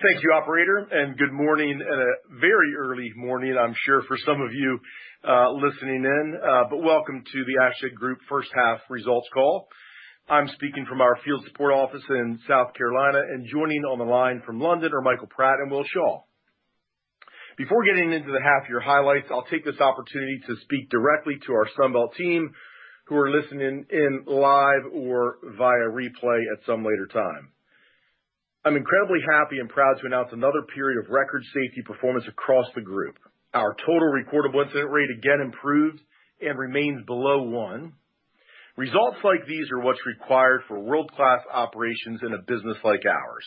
Thank you, Operator, and good morning—a very early morning, I'm sure, for some of you listening in. Welcome to the Ashtead Group first half results call. I'm speaking from our field support office in South Carolina, and joining on the line from London are Michael Pratt and Will Shaw. Before getting into the half-year highlights, I'll take this opportunity to speak directly to our Sunbelt team who are listening in live or via replay at some later time. I'm incredibly happy and proud to announce another period of record safety performance across the group. Our total recordable incident rate again improved and remains below one. Results like these are what's required for world-class operations in a business like ours.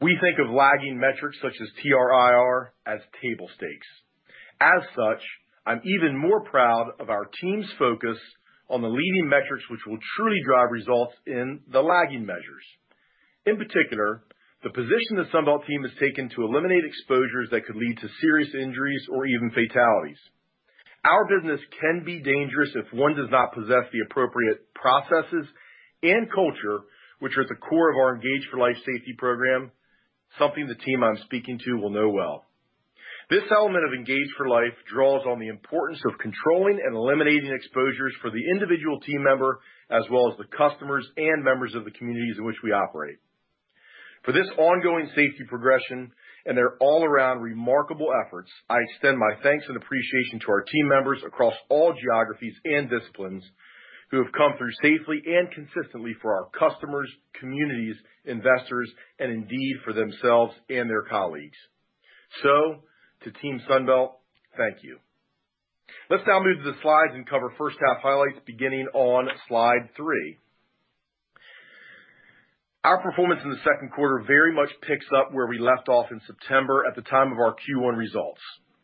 We think of lagging metrics such as TRIR as table stakes. As such, I'm even more proud of our team's focus on the leading metrics which will truly drive results in the lagging measures. In particular, the position the Sunbelt team has taken to eliminate exposures that could lead to serious injuries or even fatalities. Our business can be dangerous if one does not possess the appropriate processes and culture, which are at the core of our Engage for Life safety program, something the team I'm speaking to will know well. This element of Engage for Life draws on the importance of controlling and eliminating exposures for the individual team member as well as the customers and members of the communities in which we operate. For this ongoing safety progression and their all-around remarkable efforts, I extend my thanks and appreciation to our team members across all geographies and disciplines who have come through safely and consistently for our customers, communities, investors, and indeed for themselves and their colleagues. To Team Sunbelt, thank you. Let's now move to the slides and cover first half highlights beginning on slide three. Our performance in the Q2 very much picks up where we left off in September at the time of our Q1 results.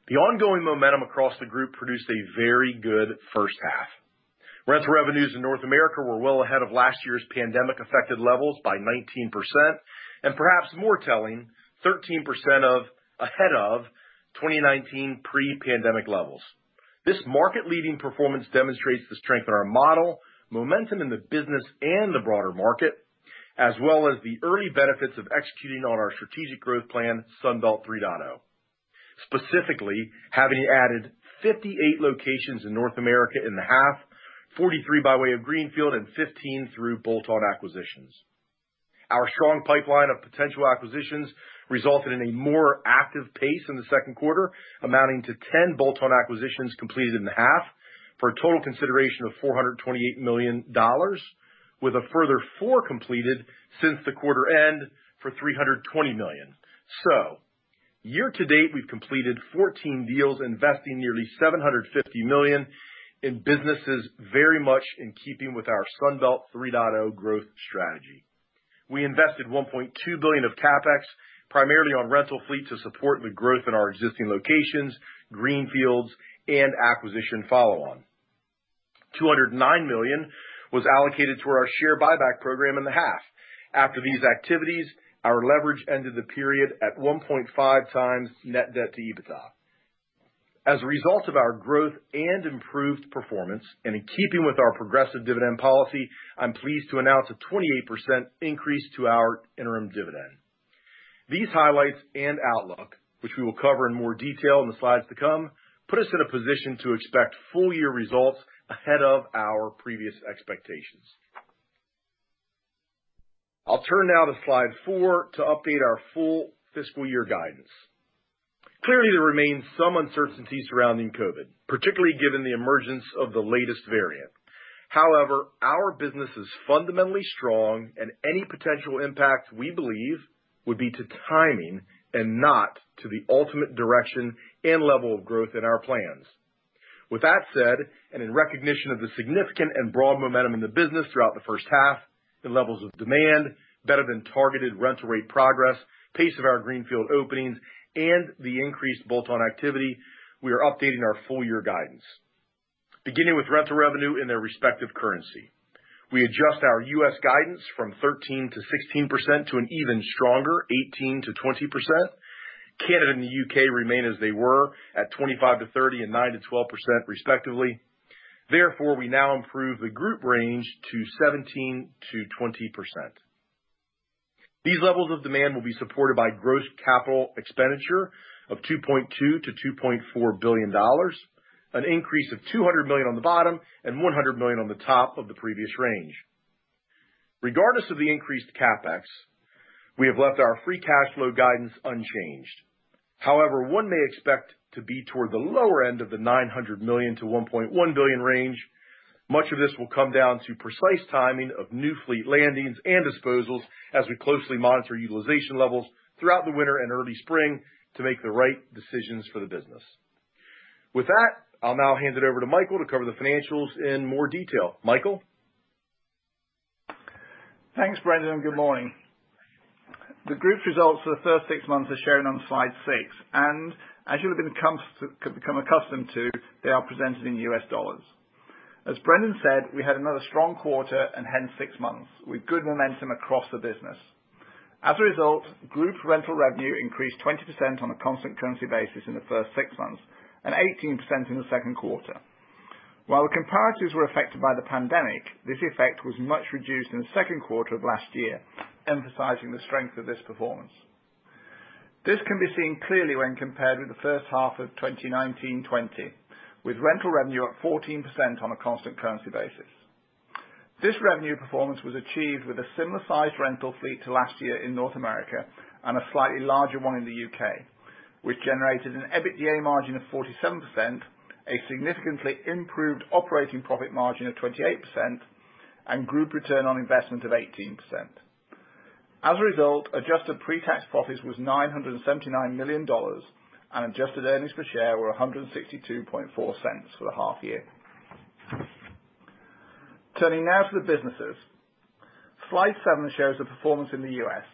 The ongoing momentum across the group produced a very good first half. Rents revenues in North America were well ahead of last year's pandemic-affected levels by 19%, and perhaps more telling, 13% ahead of 2019 pre-pandemic levels. This market-leading performance demonstrates the strength in our model, momentum in the business and the broader market, as well as the early benefits of executing on our strategic growth plan, Sunbelt 3.0. Specifically, having added 58 locations in North America in the half, 43 by way of Greenfield, and 15 through bolt-on acquisitions. Our strong pipeline of potential acquisitions resulted in a more active pace in the Q2, amounting to 10 bolt-on acquisitions completed in the half for a total consideration of $428 million, with a further four completed since the quarter end for $320 million. Year to date, we've completed 14 deals, investing nearly $750 million in businesses very much in keeping with our Sunbelt 3.0 growth strategy. We invested $1.2 billion of CapEx primarily on rental fleet to support the growth in our existing locations, Greenfields, and acquisition follow-on. $209 million was allocated toward our share buyback program in the half. After these activities, our leverage ended the period at 1.5 times net debt to EBITDA. As a result of our growth and improved performance, and in keeping with our progressive dividend policy, I'm pleased to announce a 28% increase to our interim dividend. These highlights and outlook, which we will cover in more detail in the slides to come, put us in a position to expect full-year results ahead of our previous expectations. I'll turn now to slide four to update our full fiscal year guidance. Clearly, there remains some uncertainty surrounding COVID, particularly given the emergence of the latest variant. However, our business is fundamentally strong, and any potential impact we believe would be to timing and not to the ultimate direction and level of growth in our plans. With that said, and in recognition of the significant and broad momentum in the business throughout the first half, the levels of demand, better than targeted rental rate progress, pace of our Greenfield openings, and the increased bolt-on activity, we are updating our full-year guidance, beginning with rental revenue in their respective currency. We adjust our U.S. guidance from 13%-16% to an even stronger 18%-20%. Canada and the U.K. remain as they were at 25%-30% -9-12%, respectively. Therefore, we now improve the group range to 17%-20%. These levels of demand will be supported by gross capital expenditure of $2.2-$2.4 billion, an increase of $200 million on the bottom and $100 million on the top of the previous range. Regardless of the increased CapEx, we have left our free cash flow guidance unchanged. However, one may expect to be toward the lower end of the $900 -$1.1 billion range. Much of this will come down to precise timing of new fleet landings and disposals as we closely monitor utilization levels throughout the winter and early spring to make the right decisions for the business. With that, I'll now hand it over to Michael to cover the financials in more detail. Michael. Thanks, Brendan, and good morning. The group results for the first six months are shown on slide six, and as you'll have become accustomed to, they are presented in U.S. dollars. As Brendan said, we had another strong quarter and hence six months with good momentum across the business. As a result, group rental revenue increased 20% on a constant currency basis in the first six months and 18% in the second quarter. While the comparisons were affected by the pandemic, this effect was much reduced in the Q2 of last year, emphasizing the strength of this performance. This can be seen clearly when compared with the first half of 2019-2020, with rental revenue at 14% on a constant currency basis. This revenue performance was achieved with a similar-sized rental fleet to last year in North America and a slightly larger one in the U.K., which generated an EBITDA margin of 47%, a significantly improved operating profit margin of 28%, and group return on investment of 18%. As a result, adjusted pre-tax profits were $979 million, and adjusted earnings per share were $162.40 for the half year. Turning now to the businesses, slide seven shows the performance in the U.S.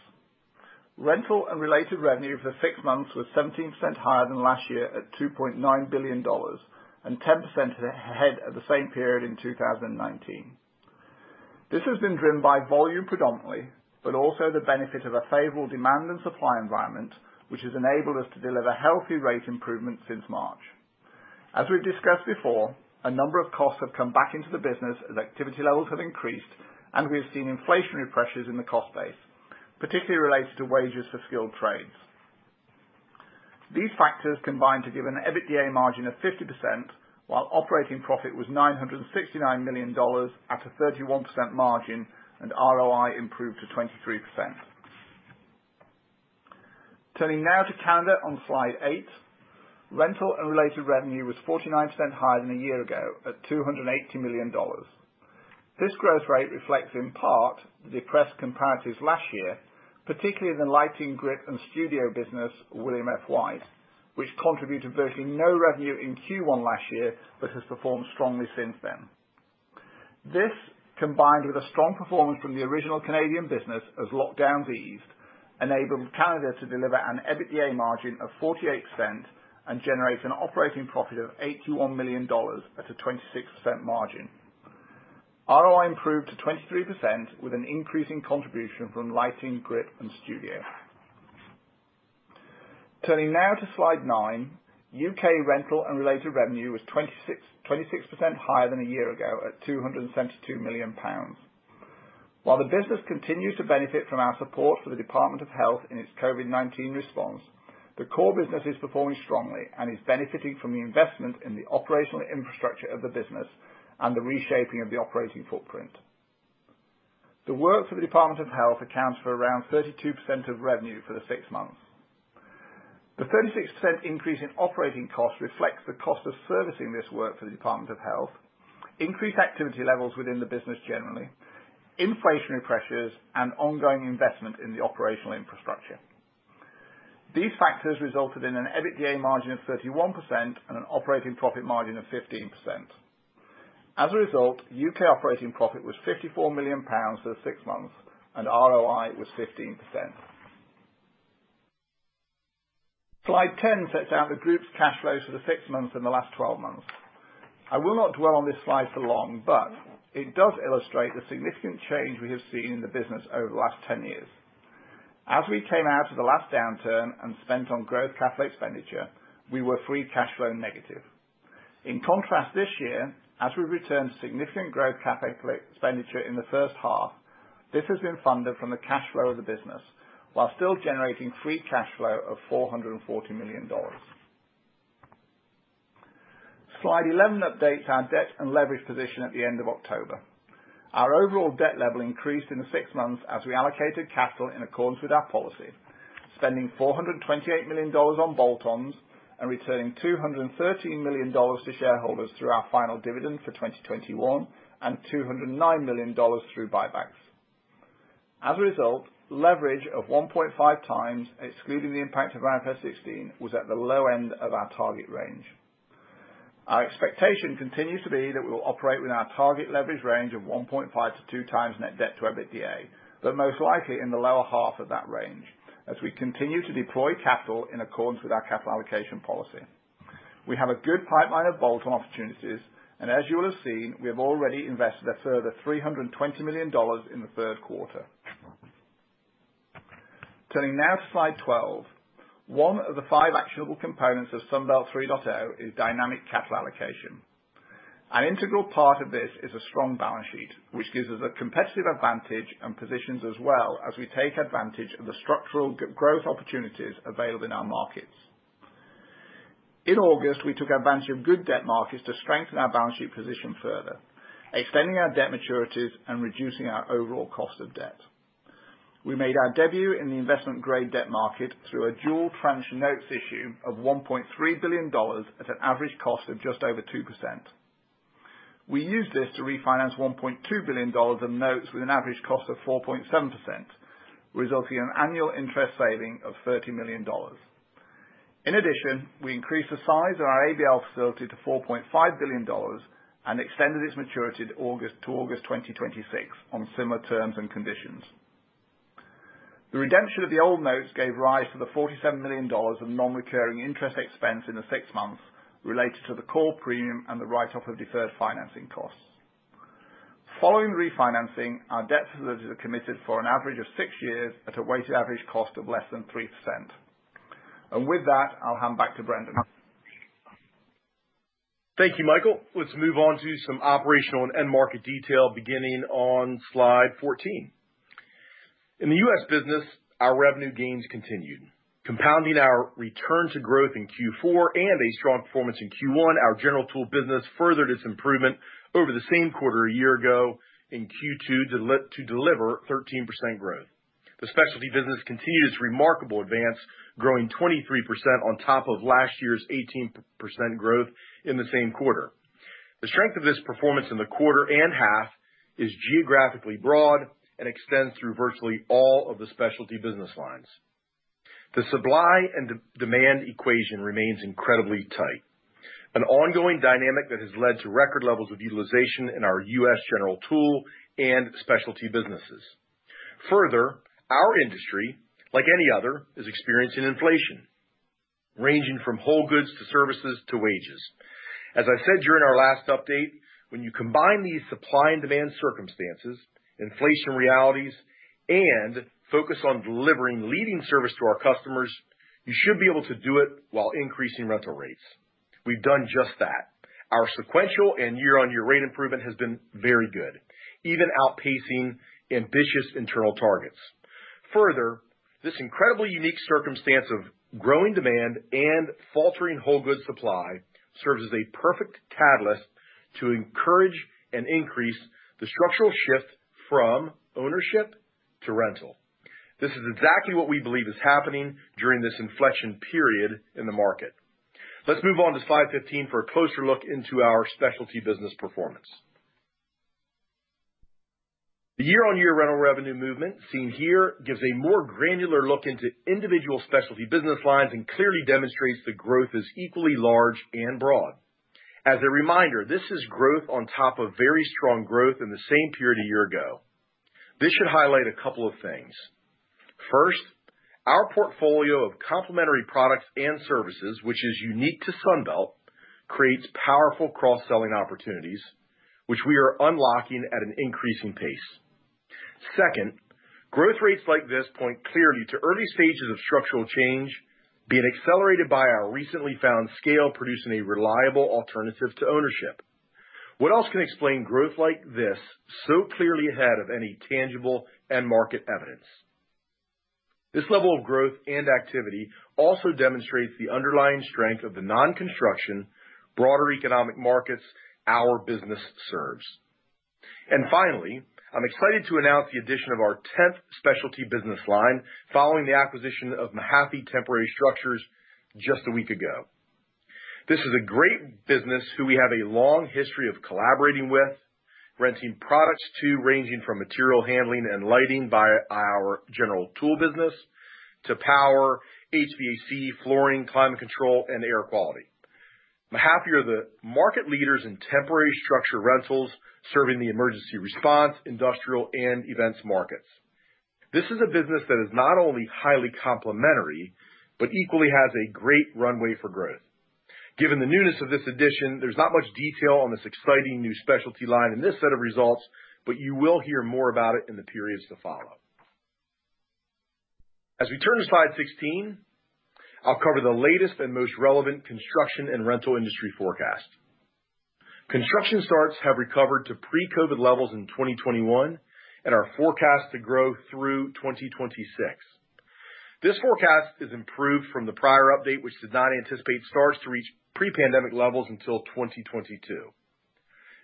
Rental and related revenue for the six months was 17% higher than last year at $2.9 billion and 10% ahead of the same period in 2019. This has been driven by volume predominantly, but also the benefit of a favorable demand and supply environment, which has enabled us to deliver healthy rate improvements since March. As we've discussed before, a number of costs have come back into the business as activity levels have increased, and we have seen inflationary pressures in the cost base, particularly related to wages for skilled trades. These factors combine to give an EBITDA margin of 50%, while operating profit was $969 million at a 31% margin, and ROI improved to 23%. Turning now to Canada on slide eight, rental and related revenue was 49% higher than a year ago at $280 million. This growth rate reflects in part the depressed comparisons last year, particularly in the lighting and grip and studio business, William F. White, which contributed virtually no revenue in Q1 last year but has performed strongly since then. This, combined with a strong performance from the original Canadian business as lockdowns eased, enabled Canada to deliver an EBITDA margin of 48% and generates an operating profit of $81 million at a 26% margin. ROI improved to 23% with an increasing contribution from lighting, grip, and studio. Turning now to slide nine, U.K. rental and related revenue was 26% higher than a year ago at 272 million pounds. While the business continues to benefit from our support for the Department of Health in its COVID-19 response, the core business is performing strongly and is benefiting from the investment in the operational infrastructure of the business and the reshaping of the operating footprint. The work for the Department of Health accounts for around 32% of revenue for the six months. The 36% increase in operating costs reflects the cost of servicing this work for the Department of Health, increased activity levels within the business generally, inflationary pressures, and ongoing investment in the operational infrastructure. These factors resulted in an EBITDA margin of 31% and an operating profit margin of 15%. As a result, U.K. operating profit was 54 million pounds for the six months, and ROI was 15%. Slide 10 sets out the group's cash flows for the six months and the last 12 months. I will not dwell on this slide for long, but it does illustrate the significant change we have seen in the business over the last 10 years. As we came out of the last downturn and spent on growth CapEx expenditure, we were free cash flow negative. In contrast, this year, as we've returned significant growth CapEx expenditure in the first half, this has been funded from the cash flow of the business while still generating free cash flow of $440 million. Slide 11 updates our debt and leverage position at the end of October. Our overall debt level increased in the six months as we allocated capital in accordance with our policy, spending $428 million on bolt-ons and returning $213 million to shareholders through our final dividend for 2021 and $209 million through buybacks. As a result, leverage of 1.5 times, excluding the impact of IFRS 16, was at the low end of our target range. Our expectation continues to be that we will operate with our target leverage range of 1.5-2 times net debt to EBITDA, but most likely in the lower half of that range as we continue to deploy capital in accordance with our capital allocation policy. We have a good pipeline of bolt-on opportunities, and as you will have seen, we have already invested a further $320 million in the Q3. Turning now to slide 12, one of the five actionable components of Sunbelt 3.0 is dynamic capital allocation. An integral part of this is a strong balance sheet, which gives us a competitive advantage and positions us well as we take advantage of the structural growth opportunities available in our markets. In August, we took advantage of good debt markets to strengthen our balance sheet position further, extending our debt maturities and reducing our overall cost of debt. We made our debut in the investment-grade debt market through a dual tranche notes issue of $1.3 billion at an average cost of just over 2%. We used this to refinance $1.2 billion of notes with an average cost of 4.7%, resulting in an annual interest saving of $30 million. In addition, we increased the size of our ABL facility to $4.5 billion and extended its maturity to August 2026 on similar terms and conditions. The redemption of the old notes gave rise to the $47 million of non-recurring interest expense in the six months related to the core premium and the write-off of deferred financing costs. Following refinancing, our debt facilities are committed for an average of six years at a weighted average cost of less than 3%. With that, I'll hand back to Brendan. Thank you, Michael. Let's move on to some operational and market detail beginning on slide 14. In the U.S. business, our revenue gains continued. Compounding our return to growth in Q4 and a strong performance in Q1, our general tool business furthered its improvement over the same quarter a year ago in Q2 to deliver 13% growth. The specialty business continued its remarkable advance, growing 23% on top of last year's 18% growth in the same quarter. The strength of this performance in the quarter and half is geographically broad and extends through virtually all of the specialty business lines. The supply and demand equation remains incredibly tight, an ongoing dynamic that has led to record levels of utilization in our U.S. general tool and specialty businesses. Further, our industry, like any other, is experiencing inflation, ranging from whole goods to services to wages. As I said during our last update, when you combine these supply and demand circumstances, inflation realities, and focus on delivering leading service to our customers, you should be able to do it while increasing rental rates. We've done just that. Our sequential and year-on-year rate improvement has been very good, even outpacing ambitious internal targets. Further, this incredibly unique circumstance of growing demand and faltering whole goods supply serves as a perfect catalyst to encourage and increase the structural shift from ownership to rental. This is exactly what we believe is happening during this inflection period in the market. Let's move on to slide 15 for a closer look into our specialty business performance. The year-on-year rental revenue movement seen here gives a more granular look into individual specialty business lines and clearly demonstrates the growth is equally large and broad. As a reminder, this is growth on top of very strong growth in the same period a year ago. This should highlight a couple of things. First, our portfolio of complementary products and services, which is unique to Sunbelt, creates powerful cross-selling opportunities, which we are unlocking at an increasing pace. Second, growth rates like this point clearly to early stages of structural change, being accelerated by our recently found scale producing a reliable alternative to ownership. What else can explain growth like this so clearly ahead of any tangible and market evidence? This level of growth and activity also demonstrates the underlying strength of the non-construction, broader economic markets our business serves. Finally, I'm excited to announce the addition of our 10th specialty business line following the acquisition of Mahaffey Temporary Structures just a week ago. This is a great business who we have a long history of collaborating with, renting products to, ranging from material handling and lighting by our general tool business to power, HVAC, flooring, climate control, and air quality. Mahaffey are the market leaders in temporary structure rentals serving the emergency response, industrial, and events markets. This is a business that is not only highly complementary, but equally has a great runway for growth. Given the newness of this addition, there's not much detail on this exciting new specialty line in this set of results, but you will hear more about it in the periods to follow. As we turn to slide 16, I'll cover the latest and most relevant construction and rental industry forecast. Construction starts have recovered to pre-COVID levels in 2021 and are forecast to grow through 2026. This forecast is improved from the prior update, which did not anticipate starts to reach pre-pandemic levels until 2022.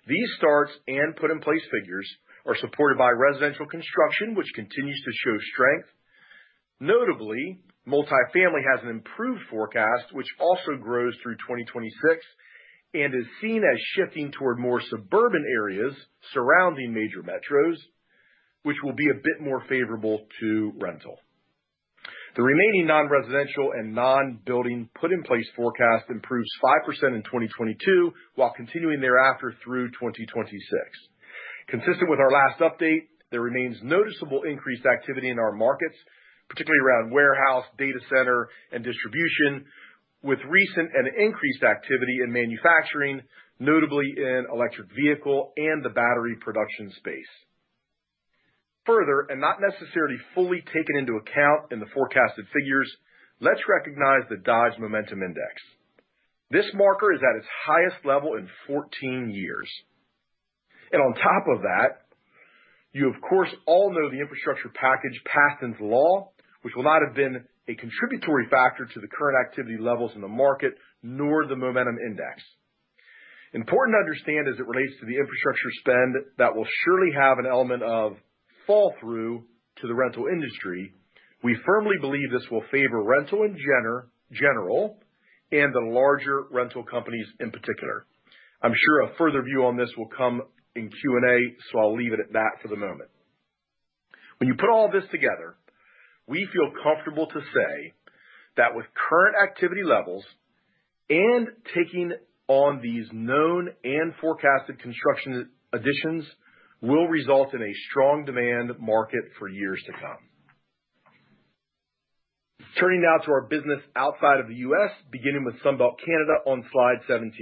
These starts and put-in-place figures are supported by residential construction, which continues to show strength. Notably, multifamily has an improved forecast, which also grows through 2026 and is seen as shifting toward more suburban areas surrounding major metros, which will be a bit more favorable to rental. The remaining non-residential and non-building put-in-place forecast improves 5% in 2022 while continuing thereafter through 2026. Consistent with our last update, there remains noticeable increased activity in our markets, particularly around warehouse, data center, and distribution, with recent and increased activity in manufacturing, notably in electric vehicle and the battery production space. Further, and not necessarily fully taken into account in the forecasted figures, let's recognize the Dodge Momentum Index. This marker is at its highest level in 14 years. On top of that, you, of course, all know the infrastructure package Paston's Law, which will not have been a contributory factor to the current activity levels in the market, nor the Momentum Index. Important to understand as it relates to the infrastructure spend that will surely have an element of fall-through to the rental industry, we firmly believe this will favor rental in general and the larger rental companies in particular. I'm sure a further view on this will come in Q&A, so I'll leave it at that for the moment. When you put all this together, we feel comfortable to say that with current activity levels and taking on these known and forecasted construction additions will result in a strong demand market for years to come. Turning now to our business outside of the U.S., beginning with Sunbelt Canada on slide 17.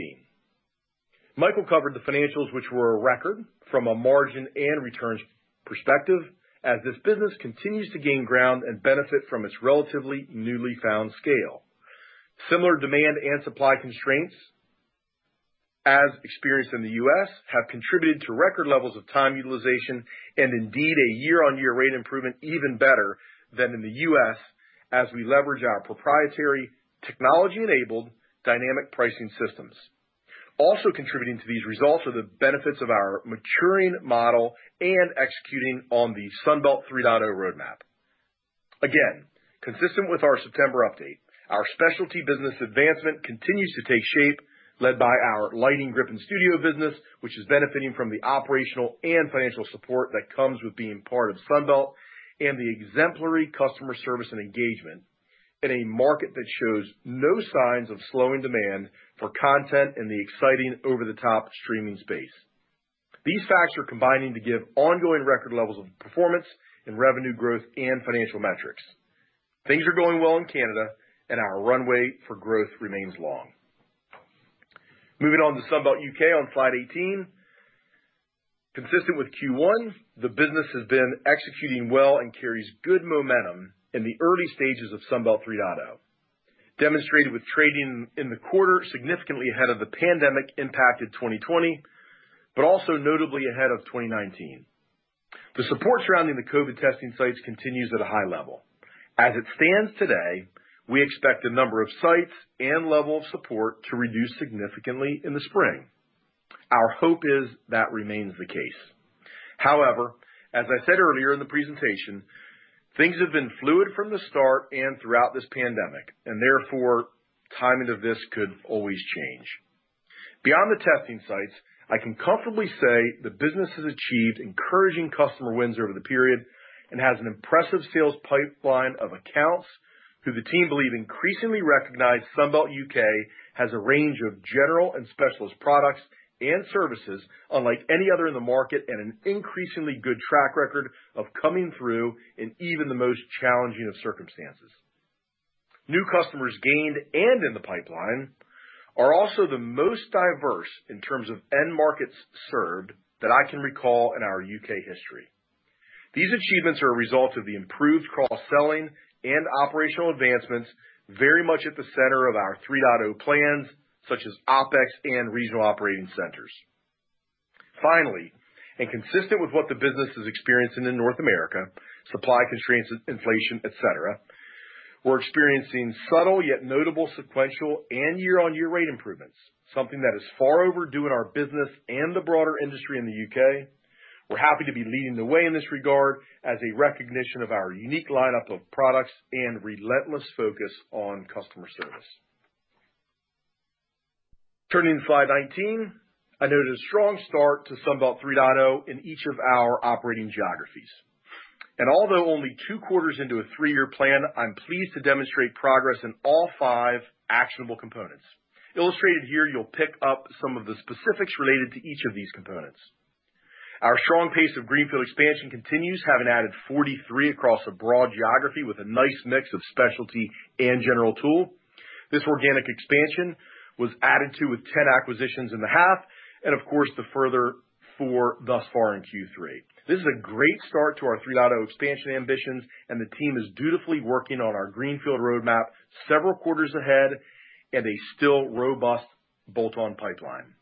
Michael covered the financials, which were a record from a margin and returns perspective as this business continues to gain ground and benefit from its relatively newly found scale. Similar demand and supply constraints, as experienced in the U.S., have contributed to record levels of time utilization and indeed a year-on-year rate improvement even better than in the U.S. as we leverage our proprietary technology-enabled dynamic pricing systems. Also contributing to these results are the benefits of our maturing model and executing on the Sunbelt 3.0 roadmap. Again, consistent with our September update, our specialty business advancement continues to take shape, led by our lighting grip and studio business, which is benefiting from the operational and financial support that comes with being part of Sunbelt and the exemplary customer service and engagement in a market that shows no signs of slowing demand for content in the exciting over-the-top streaming space. These facts are combining to give ongoing record levels of performance and revenue growth and financial metrics. Things are going well in Canada, and our runway for growth remains long. Moving on to Sunbelt U.K. on slide 18. Consistent with Q1, the business has been executing well and carries good momentum in the early stages of Sunbelt 3.0, demonstrated with trading in the quarter significantly ahead of the pandemic impacted 2020, but also notably ahead of 2019. The support surrounding the COVID testing sites continues at a high level. As it stands today, we expect the number of sites and level of support to reduce significantly in the spring. Our hope is that remains the case. However, as I said earlier in the presentation, things have been fluid from the start and throughout this pandemic, and therefore timing of this could always change. Beyond the testing sites, I can comfortably say the business has achieved encouraging customer wins over the period and has an impressive sales pipeline of accounts who the team believe increasingly recognize Sunbelt U.K. has a range of general and specialist products and services unlike any other in the market and an increasingly good track record of coming through in even the most challenging of circumstances. New customers gained and in the pipeline are also the most diverse in terms of end markets served that I can recall in our U.K. history. These achievements are a result of the improved cross-selling and operational advancements very much at the center of our 3.0 plans, such as OPEX and regional operating centers. Finally, and consistent with what the business has experienced in North America, supply constraints, inflation, etc., we're experiencing subtle yet notable sequential and year-on-year rate improvements, something that is far overdue in our business and the broader industry in the U.K. We're happy to be leading the way in this regard as a recognition of our unique lineup of products and relentless focus on customer service. Turning to slide 19, I noted a strong start to Sunbelt 3.0 in each of our operating geographies. Although only two quarters into a three-year plan, I'm pleased to demonstrate progress in all five actionable components. Illustrated here, you'll pick up some of the specifics related to each of these components. Our strong pace of greenfield expansion continues, having added 43 across a broad geography with a nice mix of specialty and general tool. This organic expansion was added to with 10 acquisitions in the half and, of course, the further four thus far in Q3. This is a great start to our 3.0 expansion ambitions, and the team is dutifully working on our greenfield roadmap several quarters ahead and a still robust bolt-on pipeline.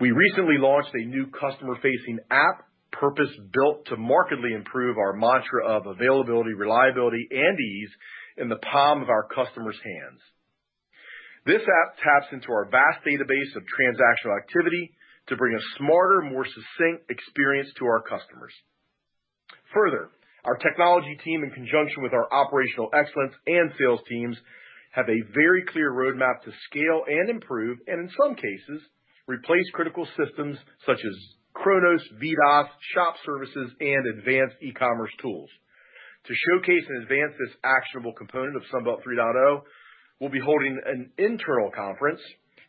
We recently launched a new customer-facing app purpose-built to markedly improve our mantra of availability, reliability, and ease in the palm of our customers' hands. This app taps into our vast database of transactional activity to bring a smarter, more succinct experience to our customers. Further, our technology team, in conjunction with our operational excellence and sales teams, have a very clear roadmap to scale and improve and, in some cases, replace critical systems such as Chronos, VDOS, shop services, and advanced e-commerce tools. To showcase and advance this actionable component of Sunbelt 3.0, we'll be holding an internal conference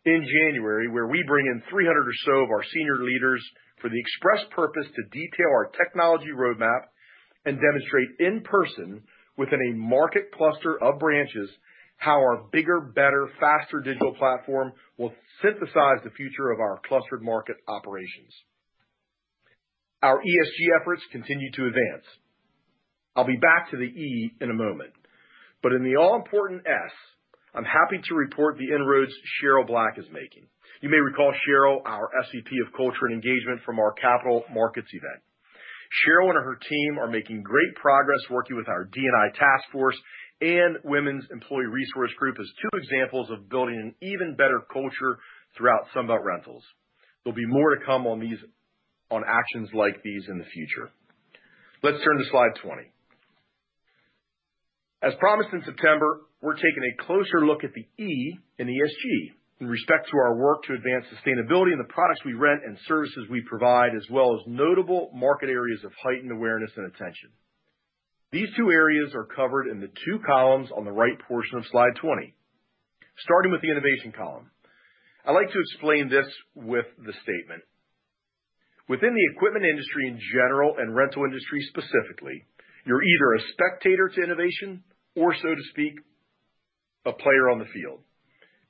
in January where we bring in 300 or so of our senior leaders for the express purpose to detail our technology roadmap and demonstrate in person, within a market cluster of branches, how our bigger, better, faster digital platform will synthesize the future of our clustered market operations. Our ESG efforts continue to advance. I'll be back to the E in a moment. In the all-important S, I'm happy to report the inroads Sheryl Black is making. You may recall Sheryl, our SVP of Culture and Engagement, from our Capital Markets event. Sheryl and her team are making great progress working with our D&I task force and Women's Employee Resource Group as two examples of building an even better culture throughout Sunbelt Rentals. There'll be more to come on actions like these in the future. Let's turn to slide 20. As promised in September, we're taking a closer look at the E in ESG in respect to our work to advance sustainability in the products we rent and services we provide, as well as notable market areas of heightened awareness and attention. These two areas are covered in the two columns on the right portion of slide 20, starting with the innovation column. I like to explain this with the statement. Within the equipment industry in general and rental industry specifically, you're either a spectator to innovation or, so to speak, a player on the field.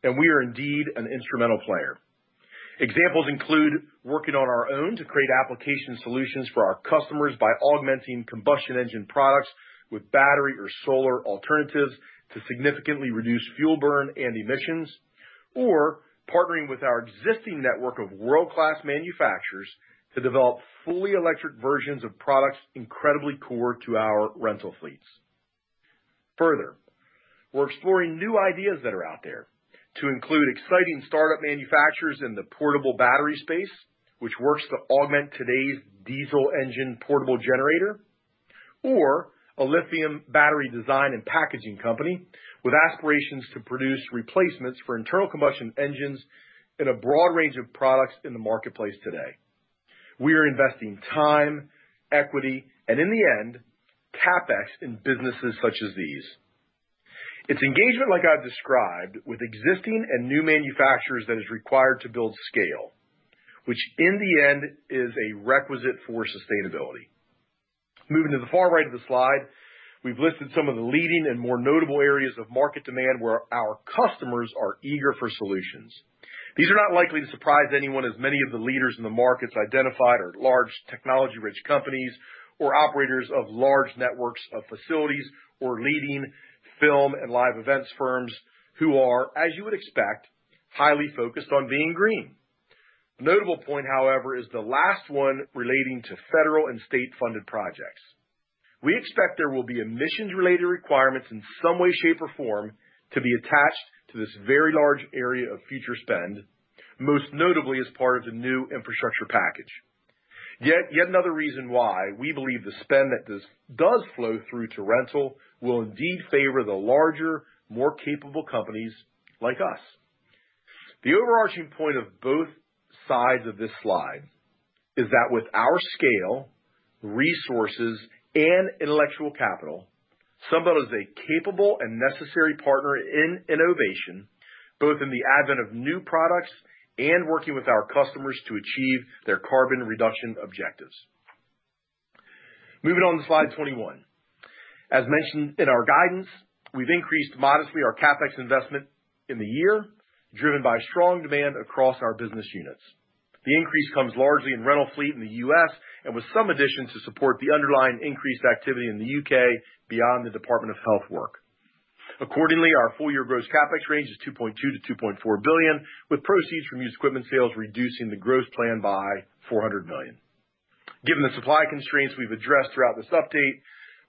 We are indeed an instrumental player. Examples include working on our own to create application solutions for our customers by augmenting combustion engine products with battery or solar alternatives to significantly reduce fuel burn and emissions, or partnering with our existing network of world-class manufacturers to develop fully electric versions of products incredibly core to our rental fleets. Further, we're exploring new ideas that are out there to include exciting startup manufacturers in the portable battery space, which works to augment today's diesel engine portable generator, or a lithium battery design and packaging company with aspirations to produce replacements for internal combustion engines in a broad range of products in the marketplace today. We are investing time, equity, and in the end, CapEx in businesses such as these. It's engagement, like I've described, with existing and new manufacturers that is required to build scale, which in the end is a requisite for sustainability. Moving to the far right of the slide, we've listed some of the leading and more notable areas of market demand where our customers are eager for solutions. These are not likely to surprise anyone, as many of the leaders in the markets identified are large technology-rich companies or operators of large networks of facilities or leading film and live events firms who are, as you would expect, highly focused on being green. A notable point, however, is the last one relating to federal and state-funded projects. We expect there will be emissions-related requirements in some way, shape, or form to be attached to this very large area of future spend, most notably as part of the new infrastructure package. Yet another reason why we believe the spend that does flow through to rental will indeed favor the larger, more capable companies like us. The overarching point of both sides of this slide is that with our scale, resources, and intellectual capital, Sunbelt is a capable and necessary partner in innovation, both in the advent of new products and working with our customers to achieve their carbon reduction objectives. Moving on to slide 21. As mentioned in our guidance, we've increased modestly our CapEx investment in the year, driven by strong demand across our business units. The increase comes largely in rental fleet in the U.S. and with some addition to support the underlying increased activity in the U.K. beyond the Department of Health work. Accordingly, our full-year gross CapEx range is $2.2 -$2.4 billion, with proceeds from used equipment sales reducing the gross plan by $400 million. Given the supply constraints we've addressed throughout this update,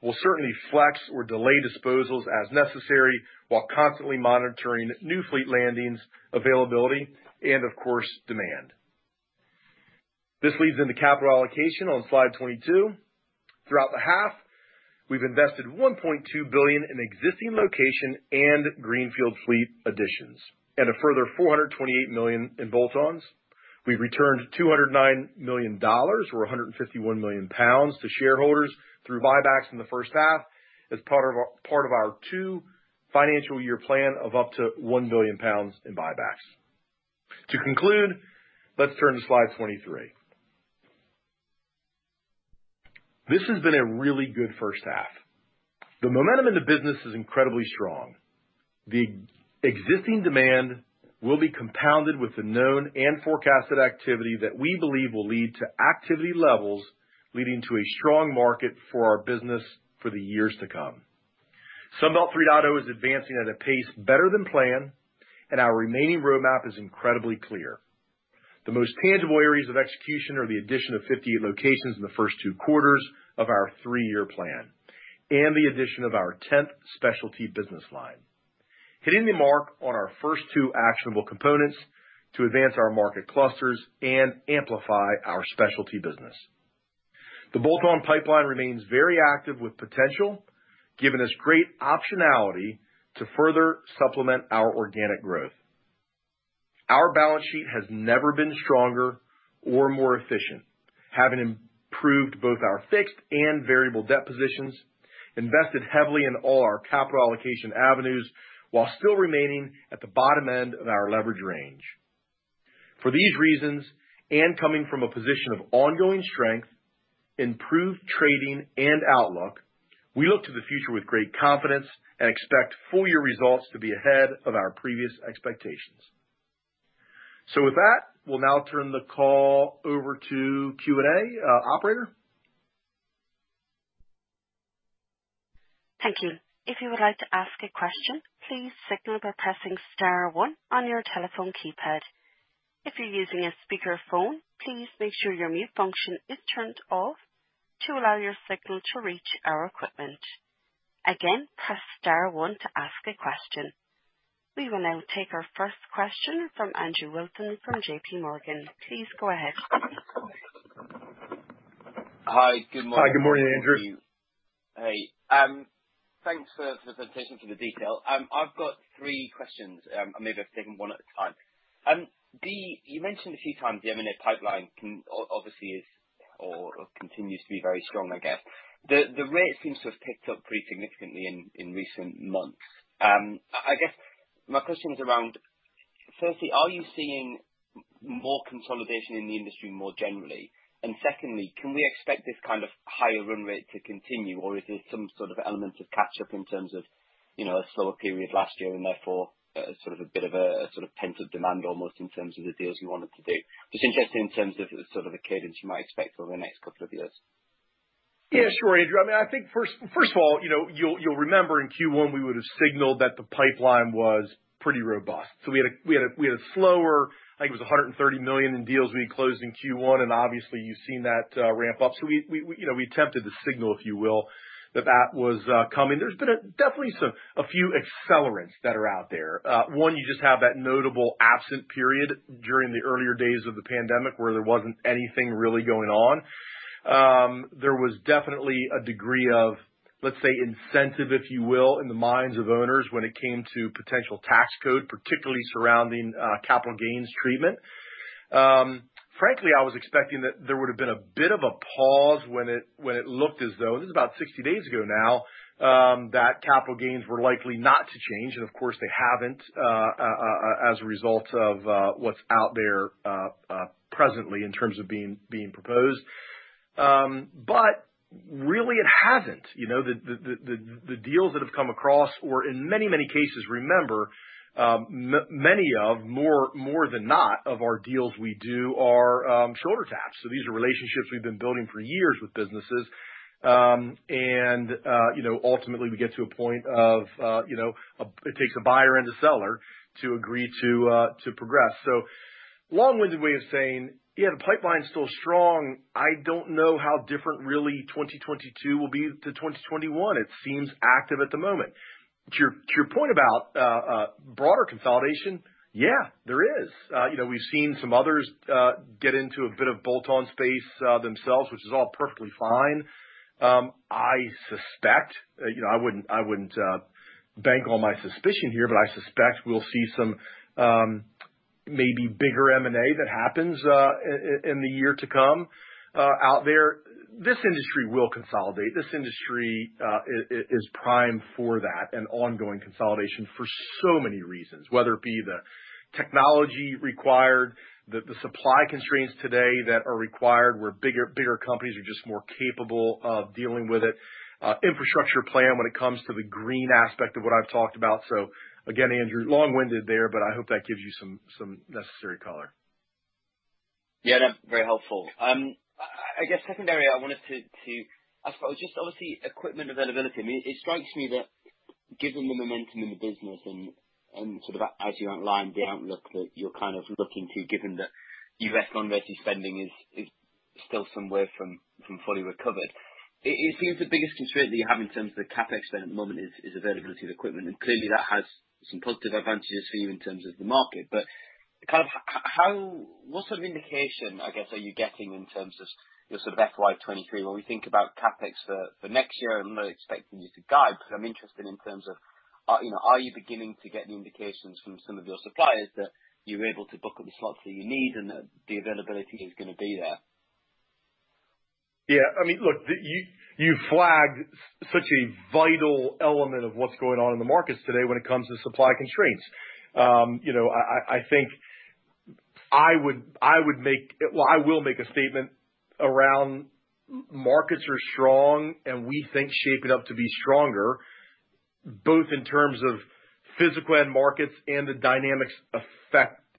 we'll certainly flex or delay disposals as necessary while constantly monitoring new fleet landings availability and, of course, demand. This leads into capital allocation on slide 22. Throughout the half, we've invested $1.2 billion in existing location and greenfield fleet additions and a further $428 million in bolt-ons. We've returned $209 million or 151 million pounds to shareholders through buybacks in the first half as part of our two-financial-year plan of up to 1 billion pounds in buybacks. To conclude, let's turn to slide 23. This has been a really good first half. The momentum in the business is incredibly strong. The existing demand will be compounded with the known and forecasted activity that we believe will lead to activity levels leading to a strong market for our business for the years to come. Sunbelt 3.0 is advancing at a pace better than planned, and our remaining roadmap is incredibly clear. The most tangible areas of execution are the addition of 58 locations in the Q12of our three-year plan and the addition of our 10th specialty business line, hitting the mark on our first two actionable components to advance our market clusters and amplify our specialty business. The bolt-on pipeline remains very active with potential, giving us great optionality to further supplement our organic growth. Our balance sheet has never been stronger or more efficient, having improved both our fixed and variable debt positions, invested heavily in all our capital allocation avenues while still remaining at the bottom end of our leverage range. For these reasons, and coming from a position of ongoing strength, improved trading, and outlook, we look to the future with great confidence and expect full-year results to be ahead of our previous expectations. With that, we'll now turn the call over to Q&A operator. Thank you. If you would like to ask a question, please signal by pressing Star 1 on your telephone keypad. If you're using a speakerphone, please make sure your mute function is turned off to allow your signal to reach our equipment. Again, press Star 1 to ask a question. We will now take our first question from Andrew Wilson from JPMorgan Chase & Co. Please go ahead. Hi. Good morning. Hi. Good morning, Andrew. Hey. Thanks for the attention to the detail. I've got three questions, or maybe I'll take them one at a time. You mentioned a few times the M&A pipeline obviously is, or continues to be, very strong, I guess. The rate seems to have picked up pretty significantly in recent months. I guess my question is around, firstly, are you seeing more consolidation in the industry more generally? Secondly, can we expect this kind of higher run rate to continue, or is there some sort of element of catch-up in terms of a slower period last year and therefore sort of a bit of a pent-up demand almost in terms of the deals you wanted to do? Just interested in terms of the cadence you might expect over the next couple of years. Yeah. Sure, Andrew. I mean, I think, first of all, you'll remember in Q1, we would have signaled that the pipeline was pretty robust. We had a slower—I think it was $130 million in deals we closed in Q1, and obviously, you've seen that ramp up. We attempted to signal, if you will, that that was coming. There's been definitely a few accelerants that are out there. One, you just have that notable absent period during the earlier days of the pandemic where there wasn't anything really going on. There was definitely a degree of, let's say, incentive, if you will, in the minds of owners when it came to potential tax code, particularly surrounding capital gains treatment. Frankly, I was expecting that there would have been a bit of a pause when it looked as though—and this is about 60 days ago now—that capital gains were likely not to change. Of course, they have not as a result of what is out there presently in terms of being proposed. Really, it has not. The deals that have come across or, in many, many cases, remember, many of, more than not, of our deals we do are shoulder taps. These are relationships we have been building for years with businesses. Ultimately, we get to a point of it takes a buyer and a seller to agree to progress. Long-winded way of saying, yeah, the pipeline is still strong. I do not know how different, really, 2022 will be to 2021. It seems active at the moment. To your point about broader consolidation, yeah, there is. We've seen some others get into a bit of bolt-on space themselves, which is all perfectly fine. I suspect—I wouldn't bank on my suspicion here—but I suspect we'll see some maybe bigger M&A that happens in the year to come out there. This industry will consolidate. This industry is primed for that and ongoing consolidation for so many reasons, whether it be the technology required, the supply constraints today that are required where bigger companies are just more capable of dealing with it, infrastructure plan when it comes to the green aspect of what I've talked about. Again, Andrew, long-winded there, but I hope that gives you some necessary color. Yeah. No, very helpful. I guess secondarily, I wanted to ask about just, obviously, equipment availability. I mean, it strikes me that given the momentum in the business and sort of, as you outlined, the outlook that you're kind of looking to, given that US non-rescue spending is still somewhere from fully recovered, it seems the biggest constraint that you have in terms of the CapEx spend at the moment is availability of equipment. Clearly, that has some positive advantages for you in terms of the market. What sort of indication, I guess, are you getting in terms of your sort of FY2023 when we think about CapEx for next year? I'm not expecting you to guide, but I'm interested in terms of, are you beginning to get the indications from some of your suppliers that you're able to book up the slots that you need and that the availability is going to be there? Yeah. I mean, look, you've flagged such a vital element of what's going on in the markets today when it comes to supply constraints. I think I would make, I will make a statement around markets are strong, and we think shaping up to be stronger, both in terms of physical end markets and the dynamics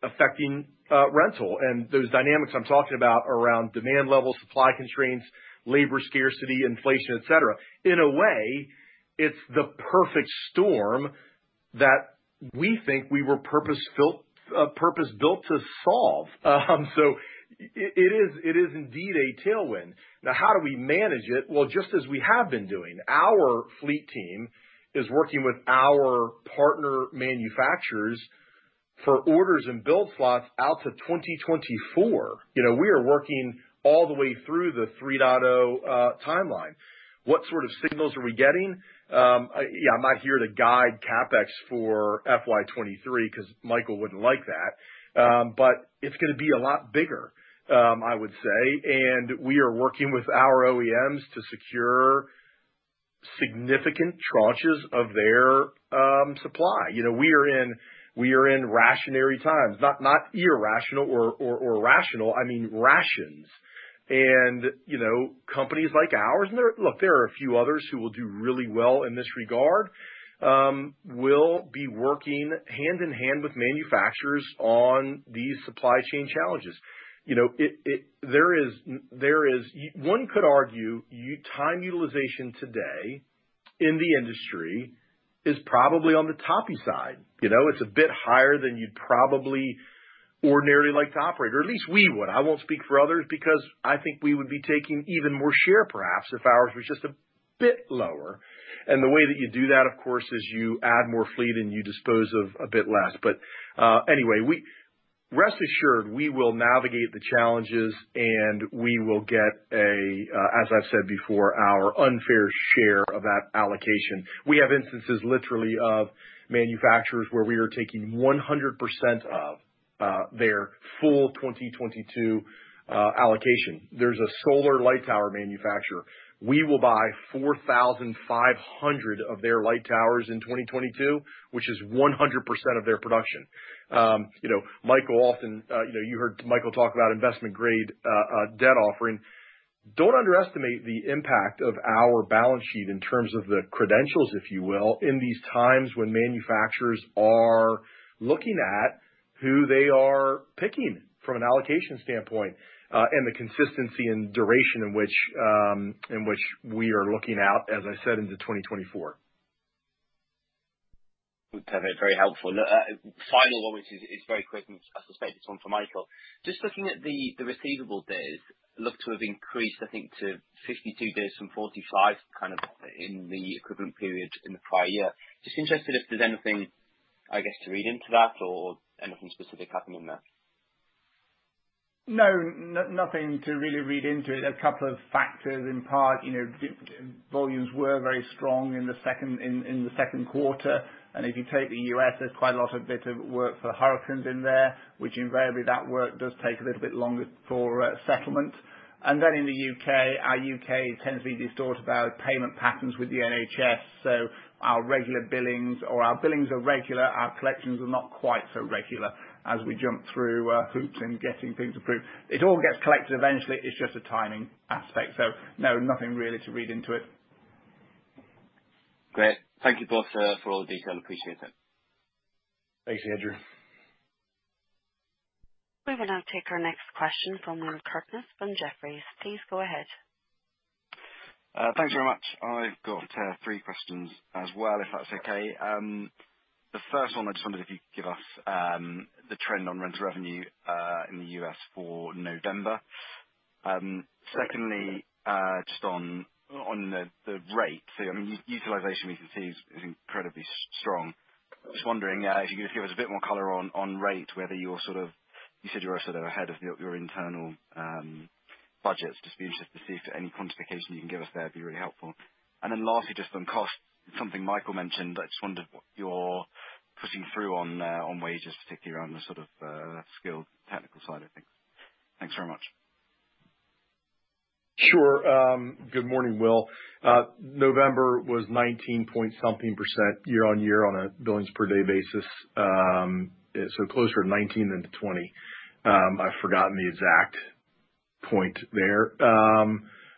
affecting rental. And those dynamics I'm talking about around demand levels, supply constraints, labor scarcity, inflation, etc. In a way, it's the perfect storm that we think we were purpose-built to solve. So it is indeed a tailwind. Now, how do we manage it? Just as we have been doing. Our fleet team is working with our partner manufacturers for orders and build slots out to 2024. We are working all the way through the 3.0 timeline. What sort of signals are we getting? Yeah, I'm not here to guide CapEx for FY23 because Michael wouldn't like that, but it's going to be a lot bigger, I would say. We are working with our OEMs to secure significant tranches of their supply. We are in rationary times, not irrational or rational. I mean, rations. Companies like ours—and look, there are a few others who will do really well in this regard—will be working hand in hand with manufacturers on these supply chain challenges. There is—one could argue time utilization today in the industry is probably on the topy side. It's a bit higher than you'd probably ordinarily like to operate, or at least we would. I won't speak for others because I think we would be taking even more share, perhaps, if ours was just a bit lower. The way that you do that, of course, is you add more fleet and you dispose of a bit less. Anyway, rest assured, we will navigate the challenges and we will get, as I've said before, our unfair share of that allocation. We have instances, literally, of manufacturers where we are taking 100% of their full 2022 allocation. There is a solar light tower manufacturer. We will buy 4,500 of their light towers in 2022, which is 100% of their production. Michael often—you heard Michael talk about investment-grade debt offering. Do not underestimate the impact of our balance sheet in terms of the credentials, if you will, in these times when manufacturers are looking at who they are picking from an allocation standpoint and the consistency and duration in which we are looking out, as I said, into 2024. Would be very helpful. Final one, which is very quick, and I suspect it's one for Michael. Just looking at the receivable days, look to have increased, I think, to 52 days from 45 kind of in the equivalent period in the prior year. Just interested if there's anything, I guess, to read into that or anything specific happening there. No, nothing to really read into it. A couple of factors, in part, volumes were very strong in the second quarter. If you take the US, there's quite a bit of work for the hurricanes in there, which invariably that work does take a little bit longer for settlement. In the U.K., our U.K. tends to be distorted by payment patterns with the NHS. Our regular billings—or our billings are regular, our collections are not quite so regular as we jump through hoops in getting things approved. It all gets collected eventually. It's just a timing aspect. No, nothing really to read into it. Great. Thank you both for all the detail. Appreciate it. Thanks, Andrew. We will now take our next question from Will Shaw from Jefferies. Please go ahead. Thanks very much. I've got three questions as well, if that's okay. The first one, I just wondered if you could give us the trend on rental revenue in the US for November. Secondly, just on the rate. I mean, utilization we can see is incredibly strong. Just wondering if you could just give us a bit more color on rate, whether you're sort of—you said you're sort of ahead of your internal budgets. Just be interested to see if any quantification you can give us there would be really helpful. And then lastly, just on cost, something Michael mentioned, I just wondered what you're pushing through on wages, particularly around the sort of skilled technical side, I think. Thanks very much. Sure. Good morning, Will. November was 19-point something % year-on-year on a billings-per-day basis, so closer to 19% than to 20%. I've forgotten the exact point there.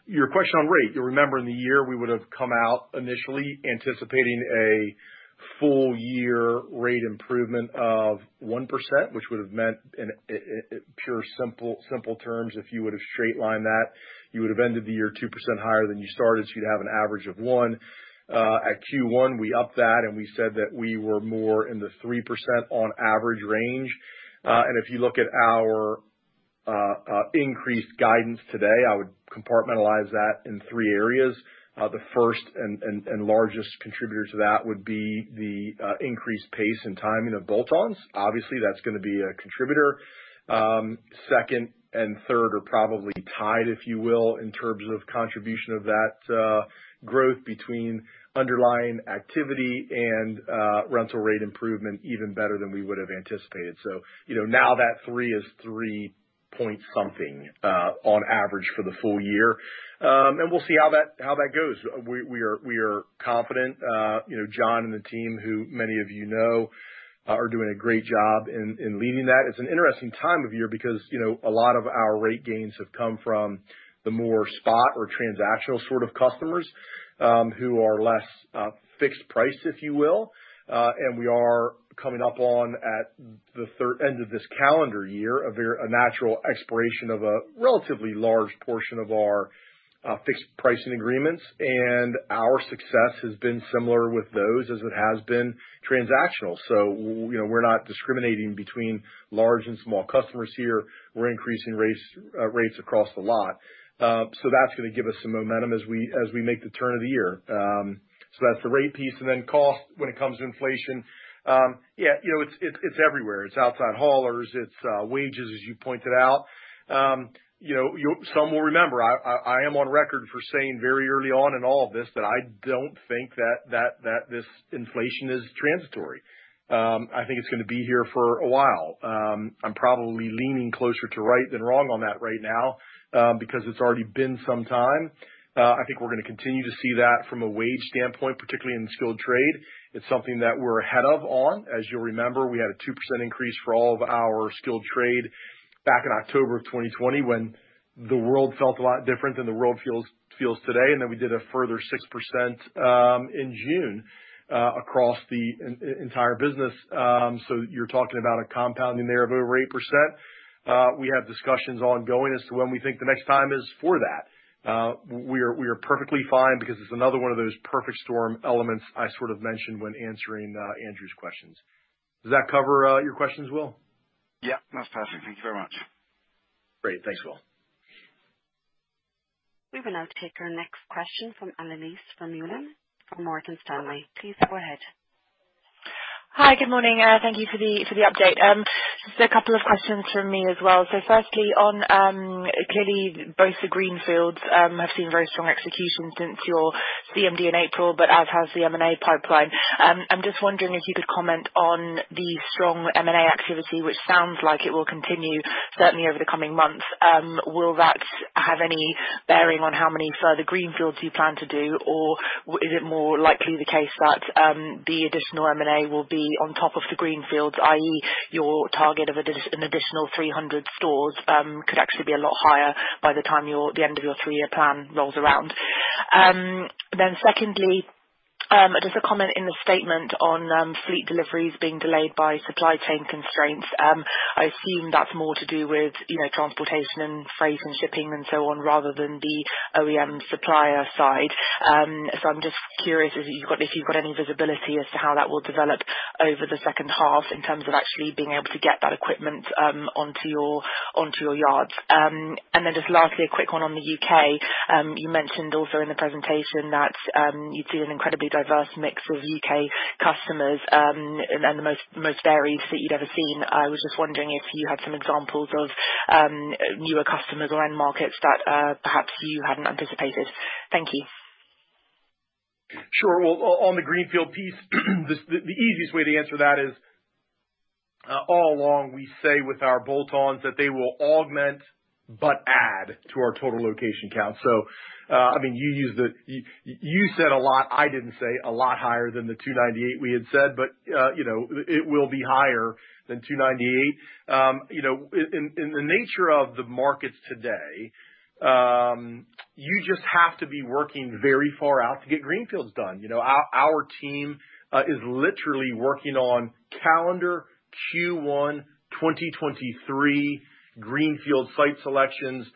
Your question on rate, you'll remember in the year we would have come out initially anticipating a full-year rate improvement of 1%, which would have meant, in pure simple terms, if you would have straight-lined that, you would have ended the year 2% higher than you started, so you'd have an average of 1%. At Q1, we upped that, and we said that we were more in the 3% on average range. If you look at our increased guidance today, I would compartmentalize that in three areas. The first and largest contributor to that would be the increased pace and timing of bolt-ons. Obviously, that's going to be a contributor. Second and third are probably tied, if you will, in terms of contribution of that growth between underlying activity and rental rate improvement, even better than we would have anticipated. Now that three is 3-point something on average for the full year. We will see how that goes. We are confident. John and the team, who many of you know, are doing a great job in leading that. It is an interesting time of year because a lot of our rate gains have come from the more spot or transactional sort of customers who are less fixed-priced, if you will. We are coming up on, at the end of this calendar year, a natural expiration of a relatively large portion of our fixed-pricing agreements. Our success has been similar with those as it has been transactional. We are not discriminating between large and small customers here. We're increasing rates across the lot. That's going to give us some momentum as we make the turn of the year. That's the rate piece. Cost, when it comes to inflation, yeah, it's everywhere. It's outside haulers. It's wages, as you pointed out. Some will remember. I am on record for saying very early on in all of this that I don't think that this inflation is transitory. I think it's going to be here for a while. I'm probably leaning closer to right than wrong on that right now because it's already been some time. I think we're going to continue to see that from a wage standpoint, particularly in skilled trade. It's something that we're ahead of on. As you'll remember, we had a 2% increase for all of our skilled trade back in October of 2020 when the world felt a lot different than the world feels today. We did a further 6% in June across the entire business. You're talking about a compounding there of over 8%. We have discussions ongoing as to when we think the next time is for that. We are perfectly fine because it's another one of those perfect storm elements I sort of mentioned when answering Andrew's questions. Does that cover your questions, Will? Yeah. That's perfect. Thank you very much. Great. Thanks, Will. We will now take our next question from Annelies Judith Godelieve Vermeulen from Morgan Stanley. Please go ahead. Hi. Good morning. Thank you for the update. Just a couple of questions from me as well. Firstly, on clearly, both the greenfields have seen very strong execution since your CMD in April, but as has the M&A pipeline. I'm just wondering if you could comment on the strong M&A activity, which sounds like it will continue certainly over the coming months. Will that have any bearing on how many further greenfields you plan to do, or is it more likely the case that the additional M&A will be on top of the greenfields, i.e., your target of an additional 300 stores could actually be a lot higher by the time the end of your three-year plan rolls around? Secondly, just a comment in the statement on fleet deliveries being delayed by supply chain constraints. I assume that's more to do with transportation and freight and shipping and so on rather than the OEM supplier side. I'm just curious if you've got any visibility as to how that will develop over the second half in terms of actually being able to get that equipment onto your yards. Lastly, a quick one on the U.K. You mentioned also in the presentation that you'd seen an incredibly diverse mix of U.K. customers and the most varied that you'd ever seen. I was just wondering if you had some examples of newer customers or end markets that perhaps you hadn't anticipated. Thank you. Sure. On the greenfield piece, the easiest way to answer that is all along we say with our bolt-ons that they will augment but add to our total location count. I mean, you said a lot I did not say, a lot higher than the 298 we had said, but it will be higher than 298. In the nature of the markets today, you just have to be working very far out to get greenfields done. Our team is literally working on calendar Q1 2023 greenfield site selections,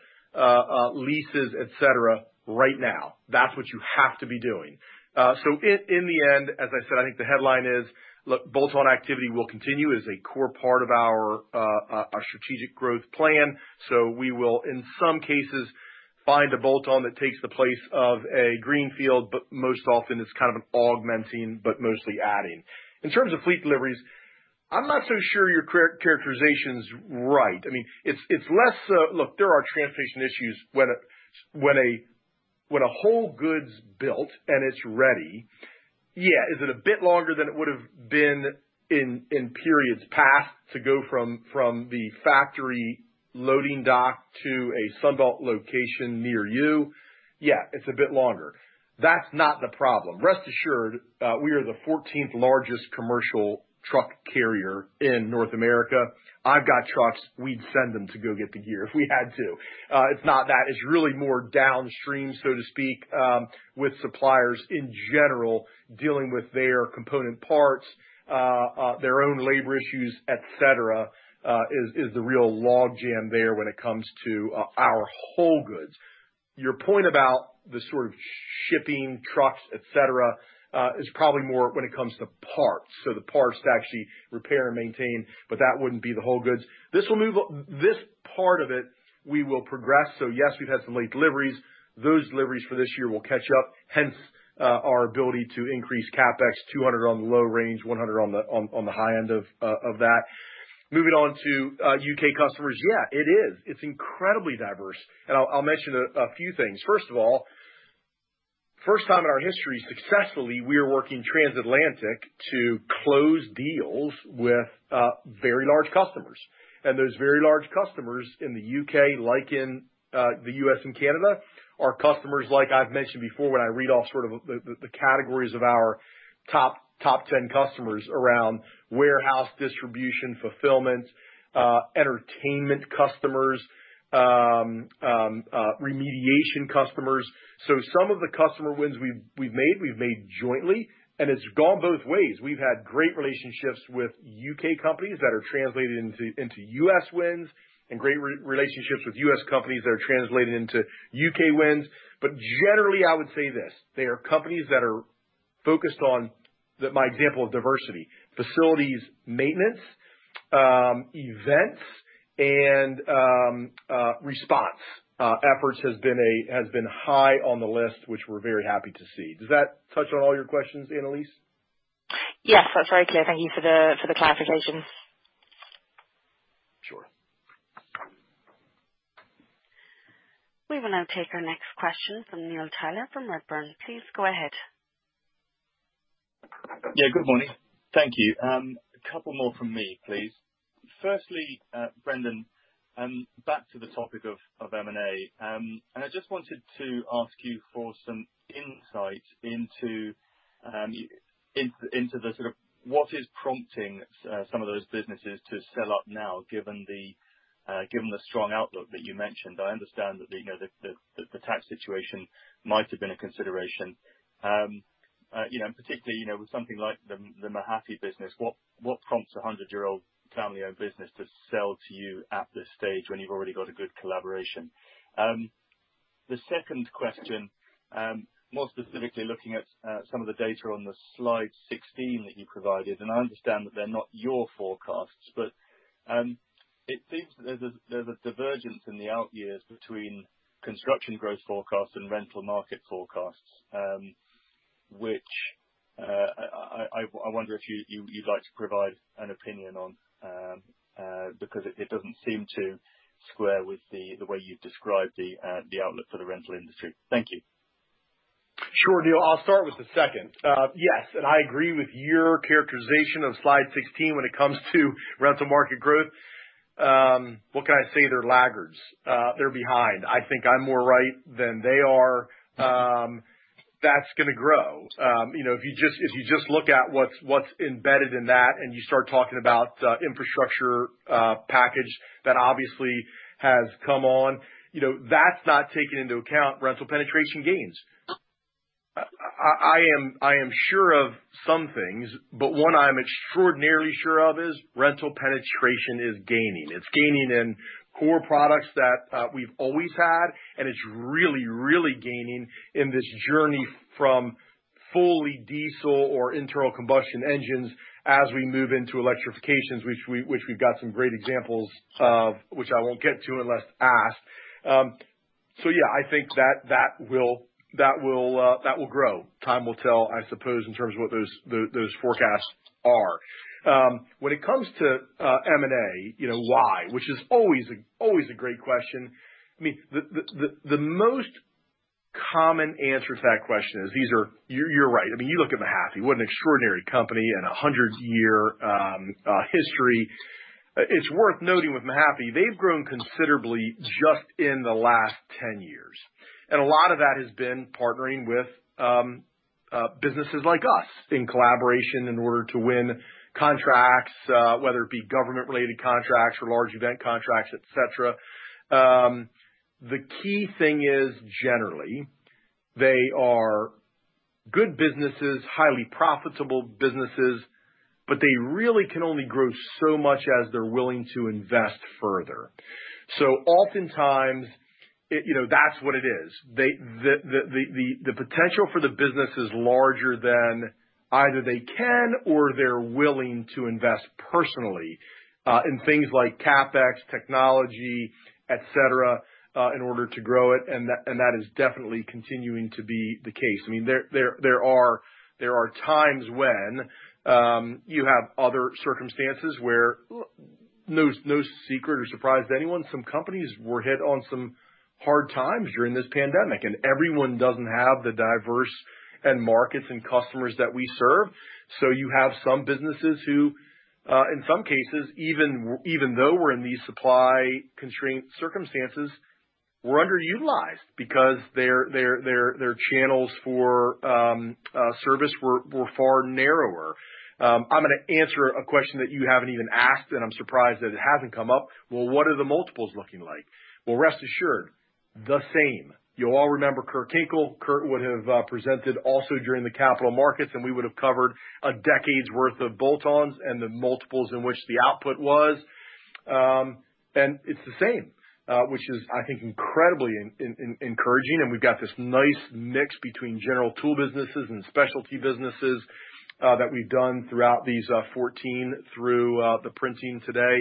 leases, etc., right now. That is what you have to be doing. In the end, as I said, I think the headline is, "Look, bolt-on activity will continue as a core part of our strategic growth plan." We will, in some cases, find a bolt-on that takes the place of a greenfield, but most often it's kind of an augmenting but mostly adding. In terms of fleet deliveries, I'm not so sure your characterization's right. I mean, it's less look, there are transportation issues. When a whole good's built and it's ready, yeah, is it a bit longer than it would have been in periods past to go from the factory loading dock to a Sunbelt location near you? Yeah, it's a bit longer. That's not the problem. Rest assured, we are the 14th largest commercial truck carrier in North America. I've got trucks. We'd send them to go get the gear if we had to. It's not that. It's really more downstream, so to speak, with suppliers in general dealing with their component parts, their own labor issues, etc., is the real logjam there when it comes to our whole goods. Your point about the sort of shipping, trucks, etc., is probably more when it comes to parts. So the parts to actually repair and maintain, but that wouldn't be the whole goods. This part of it, we will progress. Yes, we've had some late deliveries. Those deliveries for this year will catch up, hence our ability to increase CapEx, $200,000,000 on the low range, $100,000,000 on the high end of that. Moving on to U.K. customers, yeah, it is. It's incredibly diverse. I'll mention a few things. First of all, first time in our history successfully, we are working transatlantic to close deals with very large customers. Those very large customers in the U.K., like in the U.S. and Canada, are customers like I have mentioned before when I read off the categories of our top 10 customers around warehouse distribution, fulfillment, entertainment customers, remediation customers. Some of the customer wins we have made, we have made jointly, and it has gone both ways. We have had great relationships with U.K. companies that are translated into U.S. wins and great relationships with U.S. companies that are translated into U.K. wins. Generally, I would say this: they are companies that are focused on, my example of diversity, facilities, maintenance, events, and response efforts has been high on the list, which we are very happy to see. Does that touch on all your questions, Elylise? Yes. That's very clear. Thank you for the clarification. Sure. We will now take our next question from Neil Tyler from Redburn. Please go ahead. Yeah. Good morning. Thank you. A couple more from me, please. Firstly, Brendan, back to the topic of M&A, and I just wanted to ask you for some insight into the sort of what is prompting some of those businesses to sell up now, given the strong outlook that you mentioned. I understand that the tax situation might have been a consideration. Particularly with something like the Mahaffey business, what prompts a 100-year-old family-owned business to sell to you at this stage when you've already got a good collaboration? The second question, more specifically looking at some of the data on the slide 16 that you provided, and I understand that they're not your forecasts, but it seems that there's a divergence in the out years between construction growth forecasts and rental market forecasts, which I wonder if you'd like to provide an opinion on because it doesn't seem to square with the way you've described the outlook for the rental industry. Thank you. Sure, Neil. I'll start with the second. Yes. I agree with your characterization of slide 16 when it comes to rental market growth. What can I say? They're laggards. They're behind. I think I'm more right than they are. That's going to grow. If you just look at what's embedded in that and you start talking about infrastructure package that obviously has come on, that's not taken into account rental penetration gains. I am sure of some things, but one I'm extraordinarily sure of is rental penetration is gaining. It's gaining in core products that we've always had, and it's really, really gaining in this journey from fully diesel or internal combustion engines as we move into electrifications, which we've got some great examples of, which I won't get to unless asked. I think that will grow. Time will tell, I suppose, in terms of what those forecasts are. When it comes to M&A, why? Which is always a great question. I mean, the most common answer to that question is, you're right. I mean, you look at Mahaffey. What an extraordinary company and 100-year history. It's worth noting with Mahaffey, they've grown considerably just in the last 10 years. And a lot of that has been partnering with businesses like us in collaboration in order to win contracts, whether it be government-related contracts or large event contracts, etc. The key thing is, generally, they are good businesses, highly profitable businesses, but they really can only grow so much as they're willing to invest further. So oftentimes, that's what it is. The potential for the business is larger than either they can or they're willing to invest personally in things like CapEx, technology, etc., in order to grow it. That is definitely continuing to be the case. I mean, there are times when you have other circumstances where no secret or surprise to anyone, some companies were hit on some hard times during this pandemic, and everyone doesn't have the diverse markets and customers that we serve. You have some businesses who, in some cases, even though we're in these supply-constrained circumstances, were underutilized because their channels for service were far narrower. I'm going to answer a question that you haven't even asked, and I'm surprised that it hasn't come up. What are the multiples looking like? Rest assured, the same. You'll all remember Kurt Kinkle. Kurt would have presented also during the capital markets, and we would have covered a decade's worth of bolt-ons and the multiples in which the output was. It is the same, which is, I think, incredibly encouraging. We have this nice mix between general tool businesses and specialty businesses that we have done throughout these 14 through the printing today.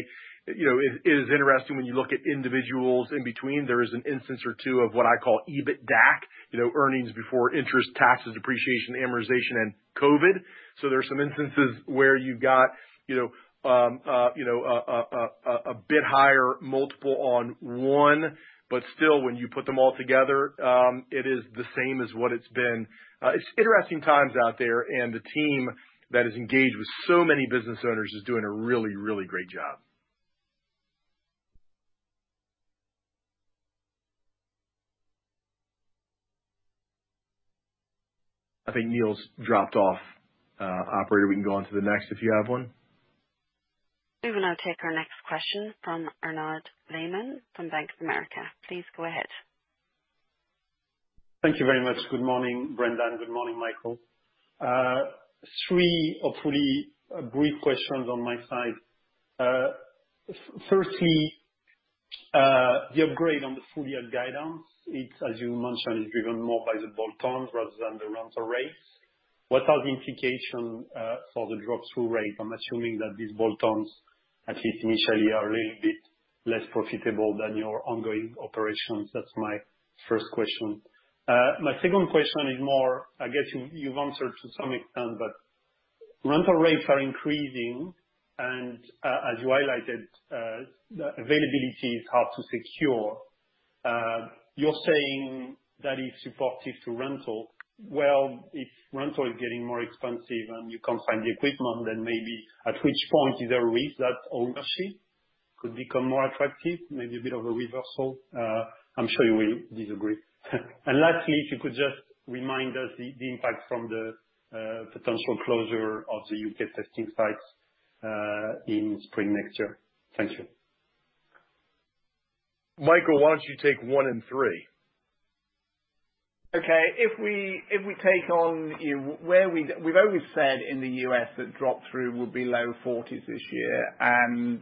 It is interesting when you look at individuals in between, there is an instance or two of what I call EBITDAC, earnings before interest, taxes, depreciation, amortization, and COVID. There are some instances where you have a bit higher multiple on one, but still, when you put them all together, it is the same as what it has been. It is interesting times out there, and the team that is engaged with so many business owners is doing a really, really great job. I think Neil's dropped off, operator. We can go on to the next if you have one. We will now take our next question from Arnaud Lehmann from BofA Securities. Please go ahead. Thank you very much. Good morning, Brendan. Good morning, Michael. Three, hopefully, brief questions on my side. Firstly, the upgrade on the fully-add guidance, as you mentioned, is driven more by the bolt-ons rather than the rental rates. What are the implications for the drop-through rate? I'm assuming that these bolt-ons, at least initially, are a little bit less profitable than your ongoing operations. That's my first question. My second question is more, I guess you've answered to some extent, but rental rates are increasing, and as you highlighted, availability is hard to secure. You're saying that is supportive to rental. If rental is getting more expensive and you can't find the equipment, then maybe at which point is there a risk that ownership could become more attractive, maybe a bit of a reversal? I'm sure you will disagree. Lastly, if you could just remind us the impact from the potential closure of the U.K. testing sites in spring next year. Thank you. Michael, why don't you take one and three? Okay. If we take on where we've always said in the U.S. that drop-through would be low 40s this year, and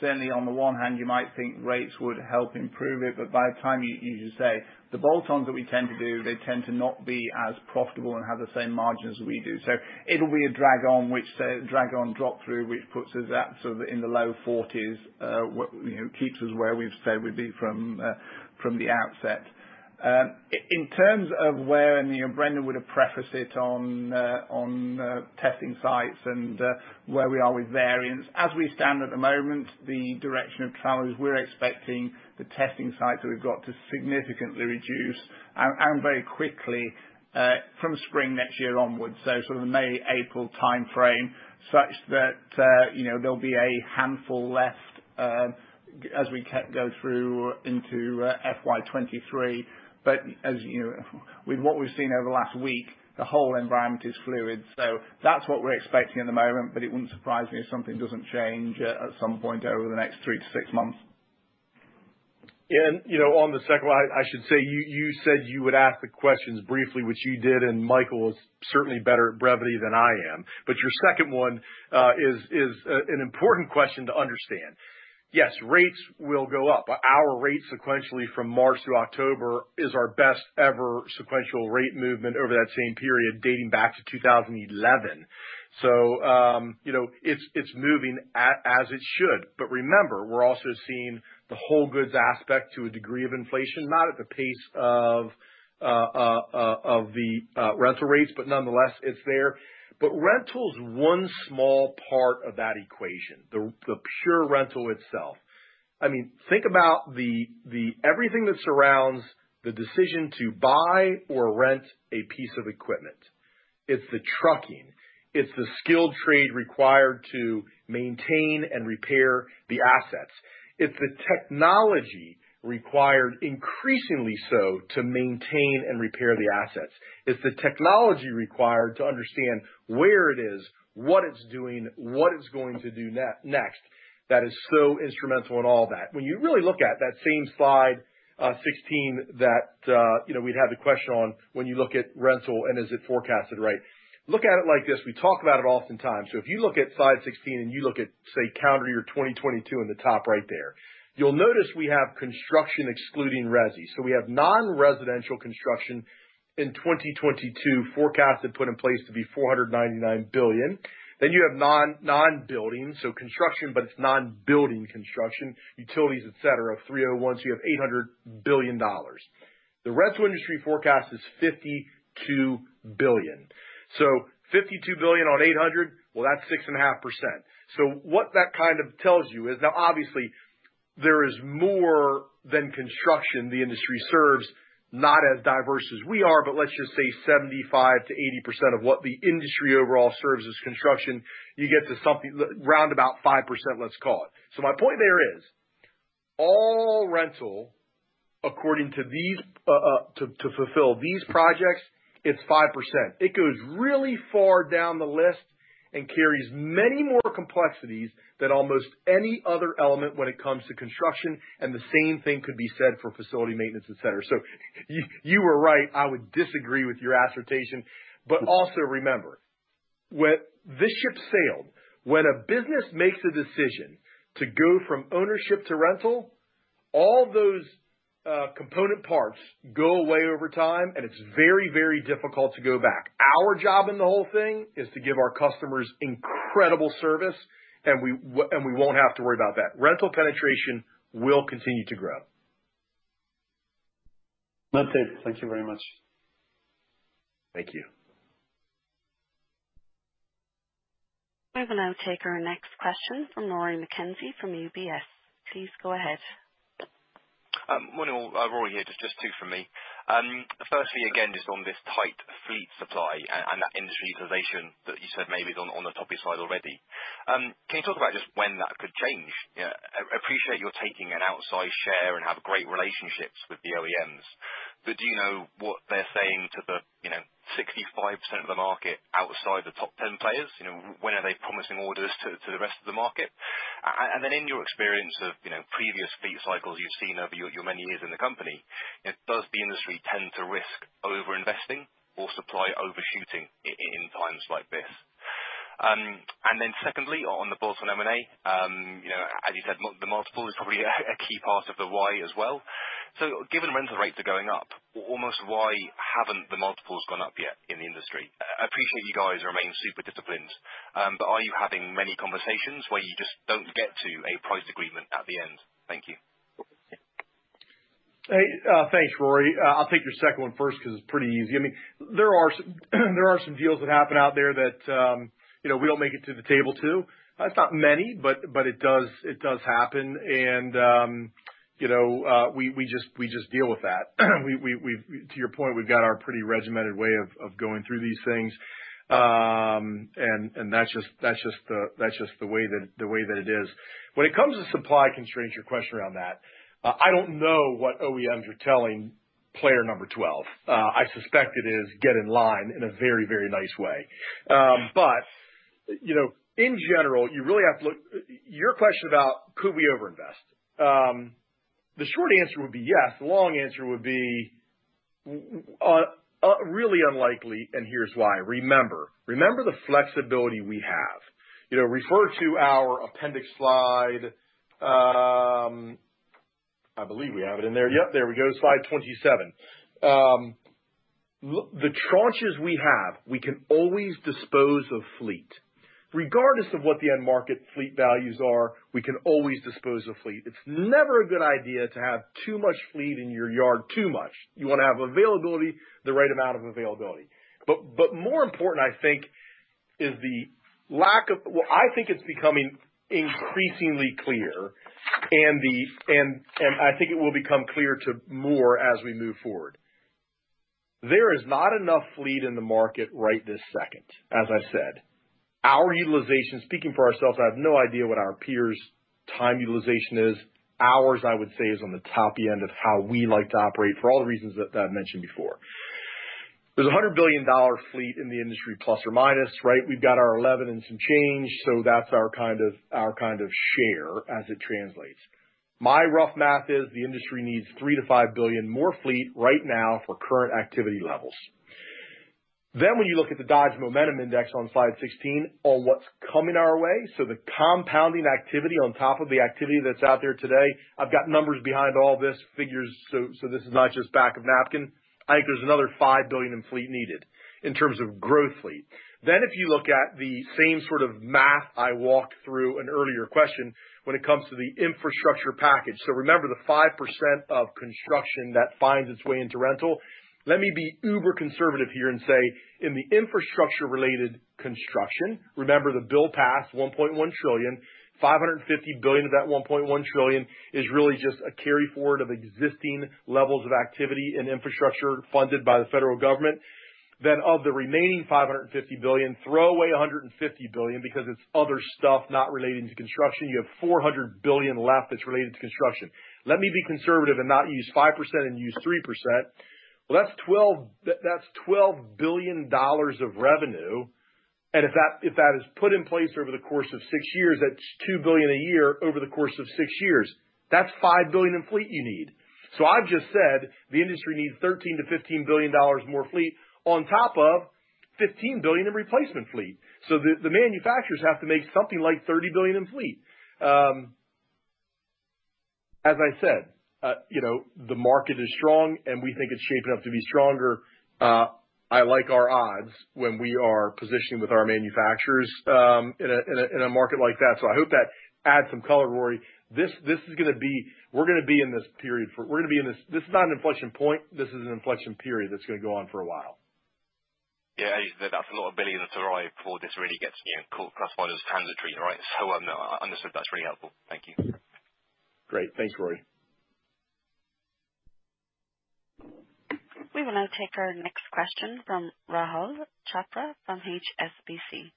certainly on the one hand, you might think rates would help improve it, but by the time you say the bolt-ons that we tend to do, they tend to not be as profitable and have the same margins we do. It will be a drag on drop-through, which puts us up in the low 40s, keeps us where we've said we'd be from the outset. In terms of where Brendan would have prefaced it on testing sites and where we are with variants, as we stand at the moment, the direction of travel is we're expecting the testing sites that we've got to significantly reduce and very quickly from spring next year onward, so sort of the May, April timeframe, such that there'll be a handful left as we go through into FY2023. With what we've seen over the last week, the whole environment is fluid. That's what we're expecting at the moment, but it wouldn't surprise me if something doesn't change at some point over the next three to six months. On the second one, I should say you said you would ask the questions briefly, which you did, and Michael is certainly better at brevity than I am. Your second one is an important question to understand. Yes, rates will go up. Our rate sequentially from March to October is our best-ever sequential rate movement over that same period dating back to 2011. It is moving as it should. Remember, we are also seeing the whole goods aspect to a degree of inflation, not at the pace of the rental rates, but nonetheless, it is there. Rental is one small part of that equation, the pure rental itself. I mean, think about everything that surrounds the decision to buy or rent a piece of equipment. It is the trucking. It is the skilled trade required to maintain and repair the assets. It's the technology required, increasingly so, to maintain and repair the assets. It's the technology required to understand where it is, what it's doing, what it's going to do next. That is so instrumental in all that. When you really look at that same slide 16 that we'd have the question on when you look at rental and is it forecasted right. Look at it like this. We talk about it oftentimes. If you look at slide 16 and you look at, say, calendar year 2022 in the top right there, you'll notice we have construction excluding resi. We have non-residential construction in 2022 forecasted put in place to be $499 billion. You have non-building, so construction, but it's non-building construction, utilities, etc., 301(c) of $800 billion. The rental industry forecast is $52 billion. $52 billion on 800, that's 6.5%. What that kind of tells you is now, obviously, there is more than construction the industry serves, not as diverse as we are, but let's just say 75%-80% of what the industry overall serves is construction. You get to something around about 5%, let's call it. My point there is all rental, according to these, to fulfill these projects, it's 5%. It goes really far down the list and carries many more complexities than almost any other element when it comes to construction, and the same thing could be said for facility maintenance, etc. You were right. I would disagree with your ascertain. Also remember, this ship sailed. When a business makes a decision to go from ownership to rental, all those component parts go away over time, and it's very, very difficult to go back. Our job in the whole thing is to give our customers incredible service, and we won't have to worry about that. Rental penetration will continue to grow. That's it. Thank you very much. Thank you. We will now take our next question from Rory McKenzie from UBS. Please go ahead. Morning, Rory. Just two from me. Firstly, again, just on this tight fleet supply and that industry utilization that you said maybe is on the top of your slide already. Can you talk about just when that could change? Appreciate your taking an outside share and have great relationships with the OEMs, but do you know what they're saying to the 65% of the market outside the top 10 players? When are they promising orders to the rest of the market? In your experience of previous fleet cycles you've seen over your many years in the company, does the industry tend to risk over-investing or supply overshooting in times like this? Secondly, on the bolt-on M&A, as you said, the multiple is probably a key part of the why as well. Given rental rates are going up, almost why haven't the multiples gone up yet in the industry? Appreciate you guys remain super disciplined, but are you having many conversations where you just don't get to a price agreement at the end? Thank you. Thanks, Rory. I'll take your second one first because it's pretty easy. I mean, there are some deals that happen out there that we don't make it to the table to. It's not many, but it does happen, and we just deal with that. To your point, we've got our pretty regimented way of going through these things, and that's just the way that it is. When it comes to supply constraints, your question around that, I don't know what OEMs are telling player number 12. I suspect it is get in line in a very, very nice way. In general, you really have to look at your question about could we over-invest? The short answer would be yes. The long answer would be really unlikely, and here's why. Remember, remember the flexibility we have. Refer to our appendix slide. I believe we have it in there. Yep, there we go. Slide 27. The tranches we have, we can always dispose of fleet. Regardless of what the end market fleet values are, we can always dispose of fleet. It's never a good idea to have too much fleet in your yard, too much. You want to have availability, the right amount of availability. More important, I think, is the lack of, I think it's becoming increasingly clear, and I think it will become clearer to more as we move forward. There is not enough fleet in the market right this second, as I said. Our utilization, speaking for ourselves, I have no idea what our peers' time utilization is. Ours, I would say, is on the top end of how we like to operate for all the reasons that I've mentioned before. There's a $100 billion fleet in the industry, plus or minus, right? We've got our 11 and some change, so that's our kind of share as it translates. My rough math is the industry needs $3 billion-$5 billion more fleet right now for current activity levels. When you look at the Dodge Momentum Index on slide 16, on what's coming our way, the compounding activity on top of the activity that's out there today, I've got numbers behind all this, figures, so this is not just back of napkin. I think there's another $5 billion in fleet needed in terms of growth fleet. If you look at the same sort of math I walked through in an earlier question when it comes to the infrastructure package, remember the 5% of construction that finds its way into rental. Let me be uber conservative here and say in the infrastructure-related construction, remember the bill passed $1.1 trillion. $550 billion of that $1.1 trillion is really just a carry forward of existing levels of activity and infrastructure funded by the federal government. Then of the remaining $550 billion, throw away $150 billion because it's other stuff not relating to construction. You have $400 billion left that's related to construction. Let me be conservative and not use 5% and use 3%. That's $12 billion of revenue. If that is put in place over the course of six years, that's $2 billion a year over the course of six years. That's $5 billion in fleet you need. I've just said the industry needs $13 billion-$15 billion more fleet on top of $15 billion in replacement fleet. The manufacturers have to make something like $30 billion in fleet. As I said, the market is strong, and we think it's shaping up to be stronger. I like our odds when we are positioning with our manufacturers in a market like that. I hope that adds some color, Rory. We are going to be in this period for a while. This is not an inflection point. This is an inflection period that is going to go on for a while. Yeah. As you said, that's a lot of billions to arrive before this really gets classified as transitory, right? I understood. That's really helpful. Thank you. Great. Thanks, Rory. We will now take our next question from Rahul Chopra from HSBC.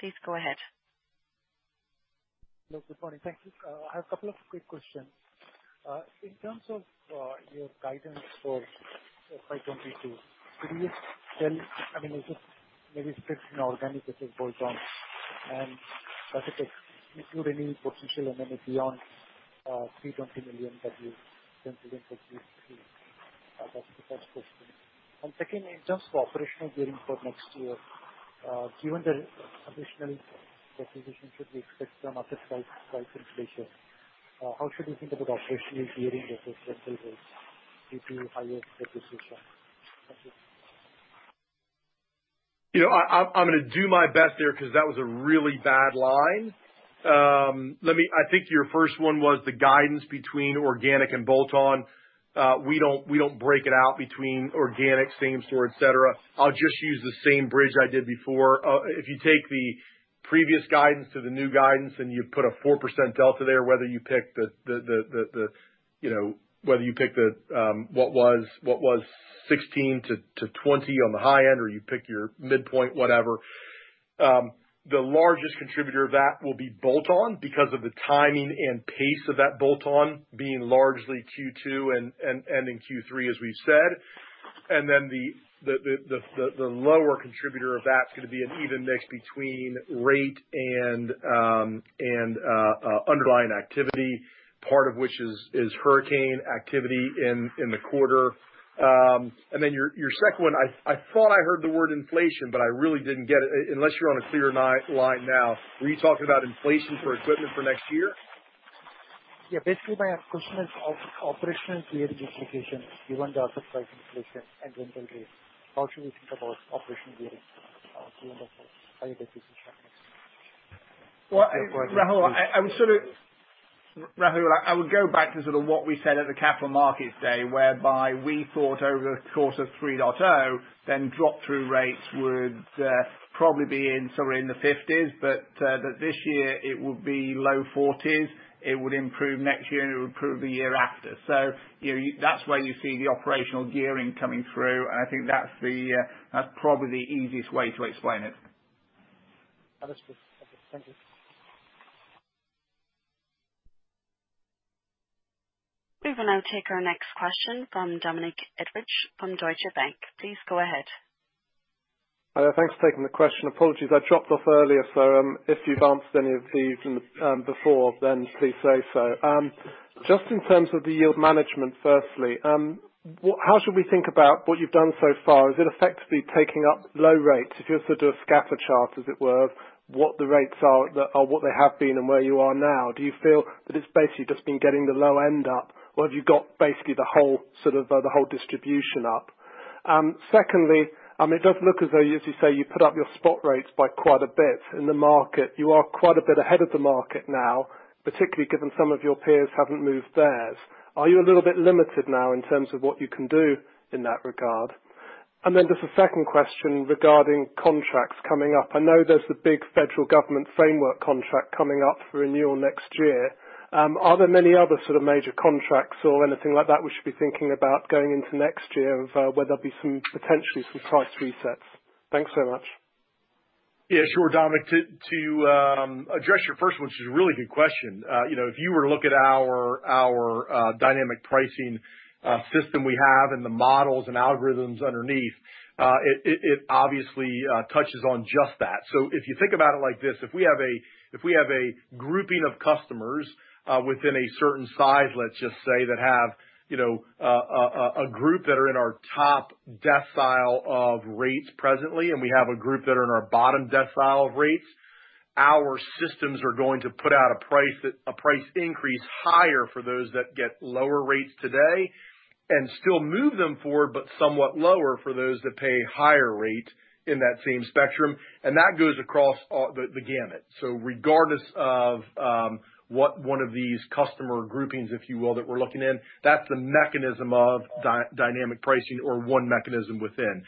Please go ahead. Hello. Good morning. Thank you. I have a couple of quick questions. In terms of your guidance for FY22, could you tell, I mean, is it maybe strictly inorganic, that is bolt-on? And does it include any potential and any beyond $320 million that you are considering for GST? That is the first question. Second, in terms of operational gearing for next year, given the additional acquisition, should we expect some asset price inflation? How should we think about operational gearing versus rental rates due to higher acquisition? Thank you. I'm going to do my best there because that was a really bad line. I think your first one was the guidance between organic and bolt-on. We don't break it out between organic, same store, etc. I'll just use the same bridge I did before. If you take the previous guidance to the new guidance and you put a 4% delta there, whether you pick the what was 16-20 on the high end or you pick your midpoint, whatever, the largest contributor of that will be bolt-on because of the timing and pace of that bolt-on being largely Q2 and ending Q3, as we've said. The lower contributor of that's going to be an even mix between rate and underlying activity, part of which is hurricane activity in the quarter. Your second one, I thought I heard the word inflation, but I really didn't get it. Unless you're on a clear line now, were you talking about inflation for equipment for next year? Yeah. Basically, my question is operational gearing implications given the asset price inflation and rental rates. How should we think about operational gearing given the higher deficit next year? Rahul, I would go back to sort of what we said at the capital markets day whereby we thought over the course of 3.0, then drop-through rates would probably be in somewhere in the 50s, but this year it would be low 40s. It would improve next year, and it would improve the year after. That is where you see the operational gearing coming through, and I think that is probably the easiest way to explain it. Understood. Okay. Thank you. We will now take our next question from Dominic Edwards from Deutsche Bank. Please go ahead. Thanks for taking the question. Apologies. I dropped off earlier, so if you've answered any of these before, then please say so. Just in terms of the yield management, firstly, how should we think about what you've done so far? Is it effectively taking up low rates? If you're sort of a scatter chart, as it were, of what the rates are, what they have been, and where you are now, do you feel that it's basically just been getting the low end up, or have you got basically the whole sort of the whole distribution up? Secondly, I mean, it does look as though, as you say, you put up your spot rates by quite a bit. In the market, you are quite a bit ahead of the market now, particularly given some of your peers haven't moved theirs. Are you a little bit limited now in terms of what you can do in that regard? Just a second question regarding contracts coming up. I know there's the big federal government framework contract coming up for renewal next year. Are there many other sort of major contracts or anything like that we should be thinking about going into next year where there'll be potentially some price resets? Thanks very much. Yeah. Sure, Dominic. To address your first one, which is a really good question, if you were to look at our dynamic pricing system we have and the models and algorithms underneath, it obviously touches on just that. If you think about it like this, if we have a grouping of customers within a certain size, let's just say, that have a group that are in our top decile of rates presently, and we have a group that are in our bottom decile of rates, our systems are going to put out a price increase higher for those that get lower rates today and still move them forward, but somewhat lower for those that pay a higher rate in that same spectrum. That goes across the gamut. Regardless of what one of these customer groupings, if you will, that we're looking in, that's the mechanism of dynamic pricing or one mechanism within.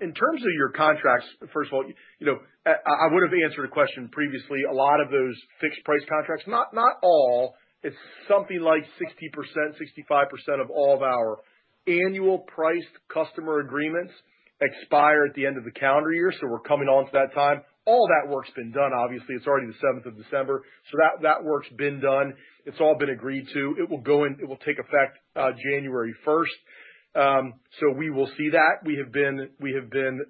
In terms of your contracts, first of all, I would have answered a question previously. A lot of those fixed price contracts, not all, it's something like 60%-65% of all of our annual priced customer agreements expire at the end of the calendar year, so we're coming on to that time. All that work's been done, obviously. It's already the 7th of December, so that work's been done. It's all been agreed to. It will take effect January 1st. We will see that. We have been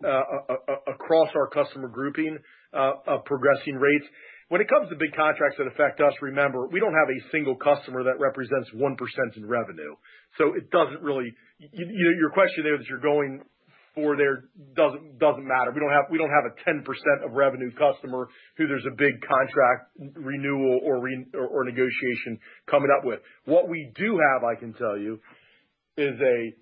across our customer grouping of progressing rates. When it comes to big contracts that affect us, remember, we don't have a single customer that represents 1% in revenue. It does not really, your question there that you are going for there does not matter. We do not have a 10% of revenue customer who there is a big contract renewal or negotiation coming up with. What we do have, I can tell you, is a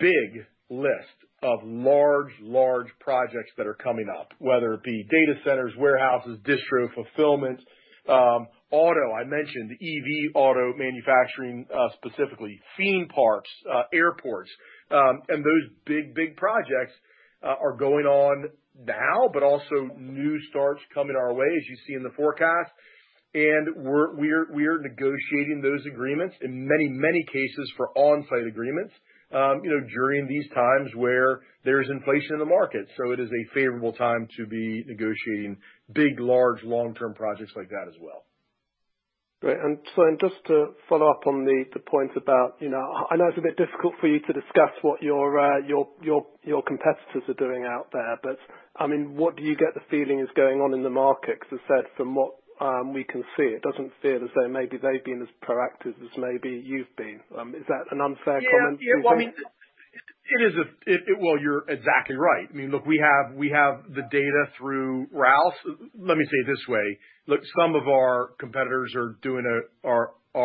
big list of large, large projects that are coming up, whether it be data centers, warehouses, distro, fulfillment, auto. I mentioned EV auto manufacturing specifically, FEMA parts, airports. Those big, big projects are going on now, but also new starts coming our way, as you see in the forecast. We are negotiating those agreements in many, many cases for onsite agreements during these times where there is inflation in the market. It is a favorable time to be negotiating big, large, long-term projects like that as well. Great. Just to follow up on the points about I know it's a bit difficult for you to discuss what your competitors are doing out there, but I mean, what do you get the feeling is going on in the market, as I said, from what we can see? It doesn't feel as though maybe they've been as proactive as maybe you've been. Is that an unfair comment to you? Yeah. I mean, you're exactly right. I mean, look, we have the data through Ralph. Let me say it this way. Look, some of our competitors are doing a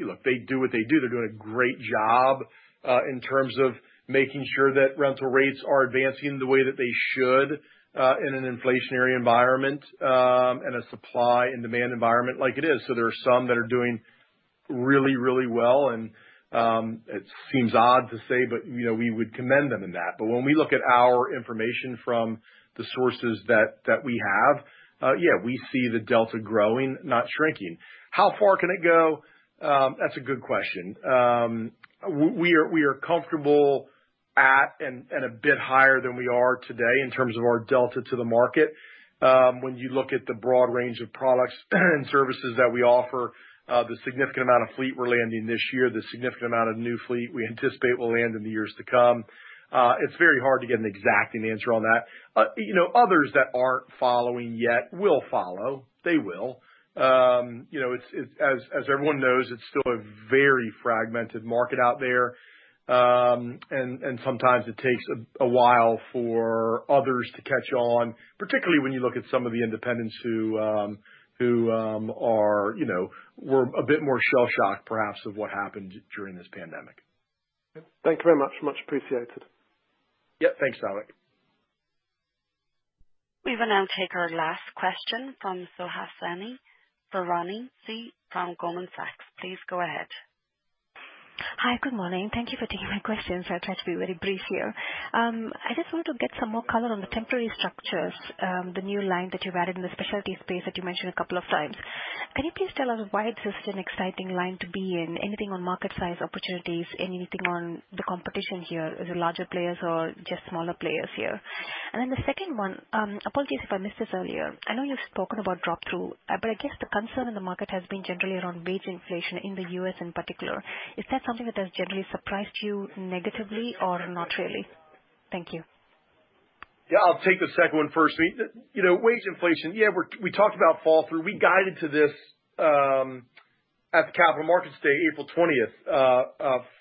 look, they do what they do. They're doing a great job in terms of making sure that rental rates are advancing the way that they should in an inflationary environment and a supply and demand environment like it is. There are some that are doing really, really well. It seems odd to say, but we would commend them in that. When we look at our information from the sources that we have, yeah, we see the delta growing, not shrinking. How far can it go? That's a good question. We are comfortable at and a bit higher than we are today in terms of our delta to the market. When you look at the broad range of products and services that we offer, the significant amount of fleet we're landing this year, the significant amount of new fleet we anticipate will land in the years to come, it's very hard to get an exacting answer on that. Others that aren't following yet will follow. They will. As everyone knows, it's still a very fragmented market out there. Sometimes it takes a while for others to catch on, particularly when you look at some of the independents who were a bit more shell-shocked, perhaps, of what happened during this pandemic. Thank you very much. Much appreciated. Yeah. Thanks, Dominic. We will now take our last question from Zohar Sani for Rani C from Goldman Sachs. Please go ahead. Hi. Good morning. Thank you for taking my questions. I'll try to be very brief here. I just wanted to get some more color on the temporary structures, the new line that you've added in the specialty space that you mentioned a couple of times. Can you please tell us why this is an exciting line to be in? Anything on market size, opportunities, and anything on the competition here? Is it larger players or just smaller players here? The second one, apologies if I missed this earlier. I know you've spoken about drop-through, but I guess the concern in the market has been generally around wage inflation in the US in particular. Is that something that has generally surprised you negatively or not really? Thank you. Yeah. I'll take the second one first. Wage inflation, yeah, we talked about fall-through. We guided to this at the capital markets day, April 20,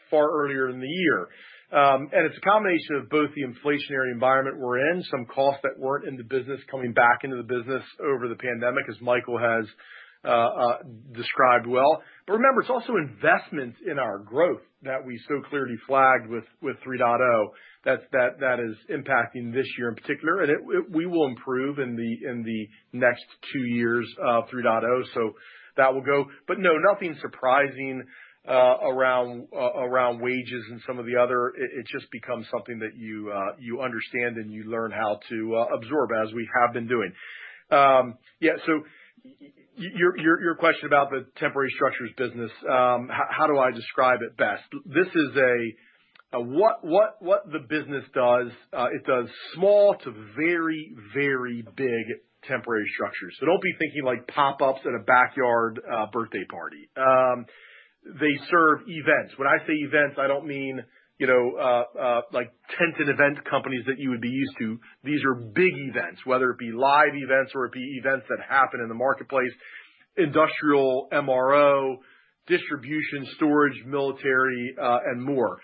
far earlier in the year. It is a combination of both the inflationary environment we're in, some costs that were not in the business coming back into the business over the pandemic, as Michael has described well. Remember, it is also investment in our growth that we so clearly flagged with 3.0 that is impacting this year in particular. We will improve in the next two years of 3.0, so that will go. No, nothing surprising around wages and some of the other. It just becomes something that you understand and you learn how to absorb, as we have been doing. Yeah. Your question about the temporary structures business, how do I describe it best? This is what the business does. It does small to very, very big temporary structures. Do not be thinking like pop-ups at a backyard birthday party. They serve events. When I say events, I do not mean like tented event companies that you would be used to. These are big events, whether it be live events or it be events that happen in the marketplace, industrial MRO, distribution, storage, military, and more.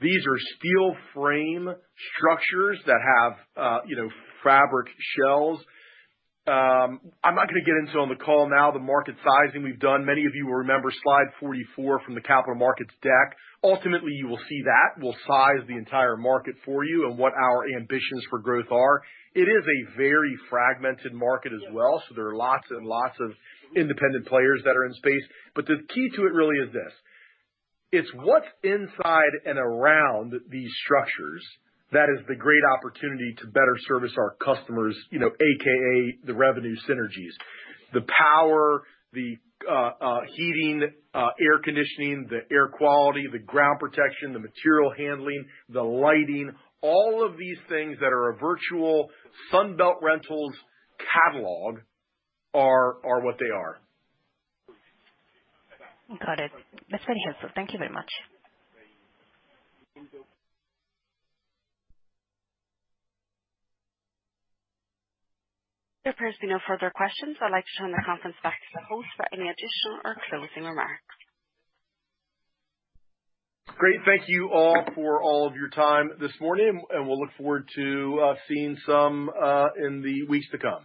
These are steel frame structures that have fabric shells. I am not going to get into on the call now the market sizing we have done. Many of you will remember slide 44 from the capital markets deck. Ultimately, you will see that. We will size the entire market for you and what our ambitions for growth are. It is a very fragmented market as well, so there are lots and lots of independent players that are in space. The key to it really is this. It's what's inside and around these structures that is the great opportunity to better service our customers, aka the revenue synergies. The power, the heating, air conditioning, the air quality, the ground protection, the material handling, the lighting, all of these things that are a virtual Sunbelt Rentals catalog are what they are. Got it. That's very helpful. Thank you very much. There appears to be no further questions. I'd like to turn the conference back to the host for any additional or closing remarks. Great. Thank you all for all of your time this morning, and we'll look forward to seeing some in the weeks to come.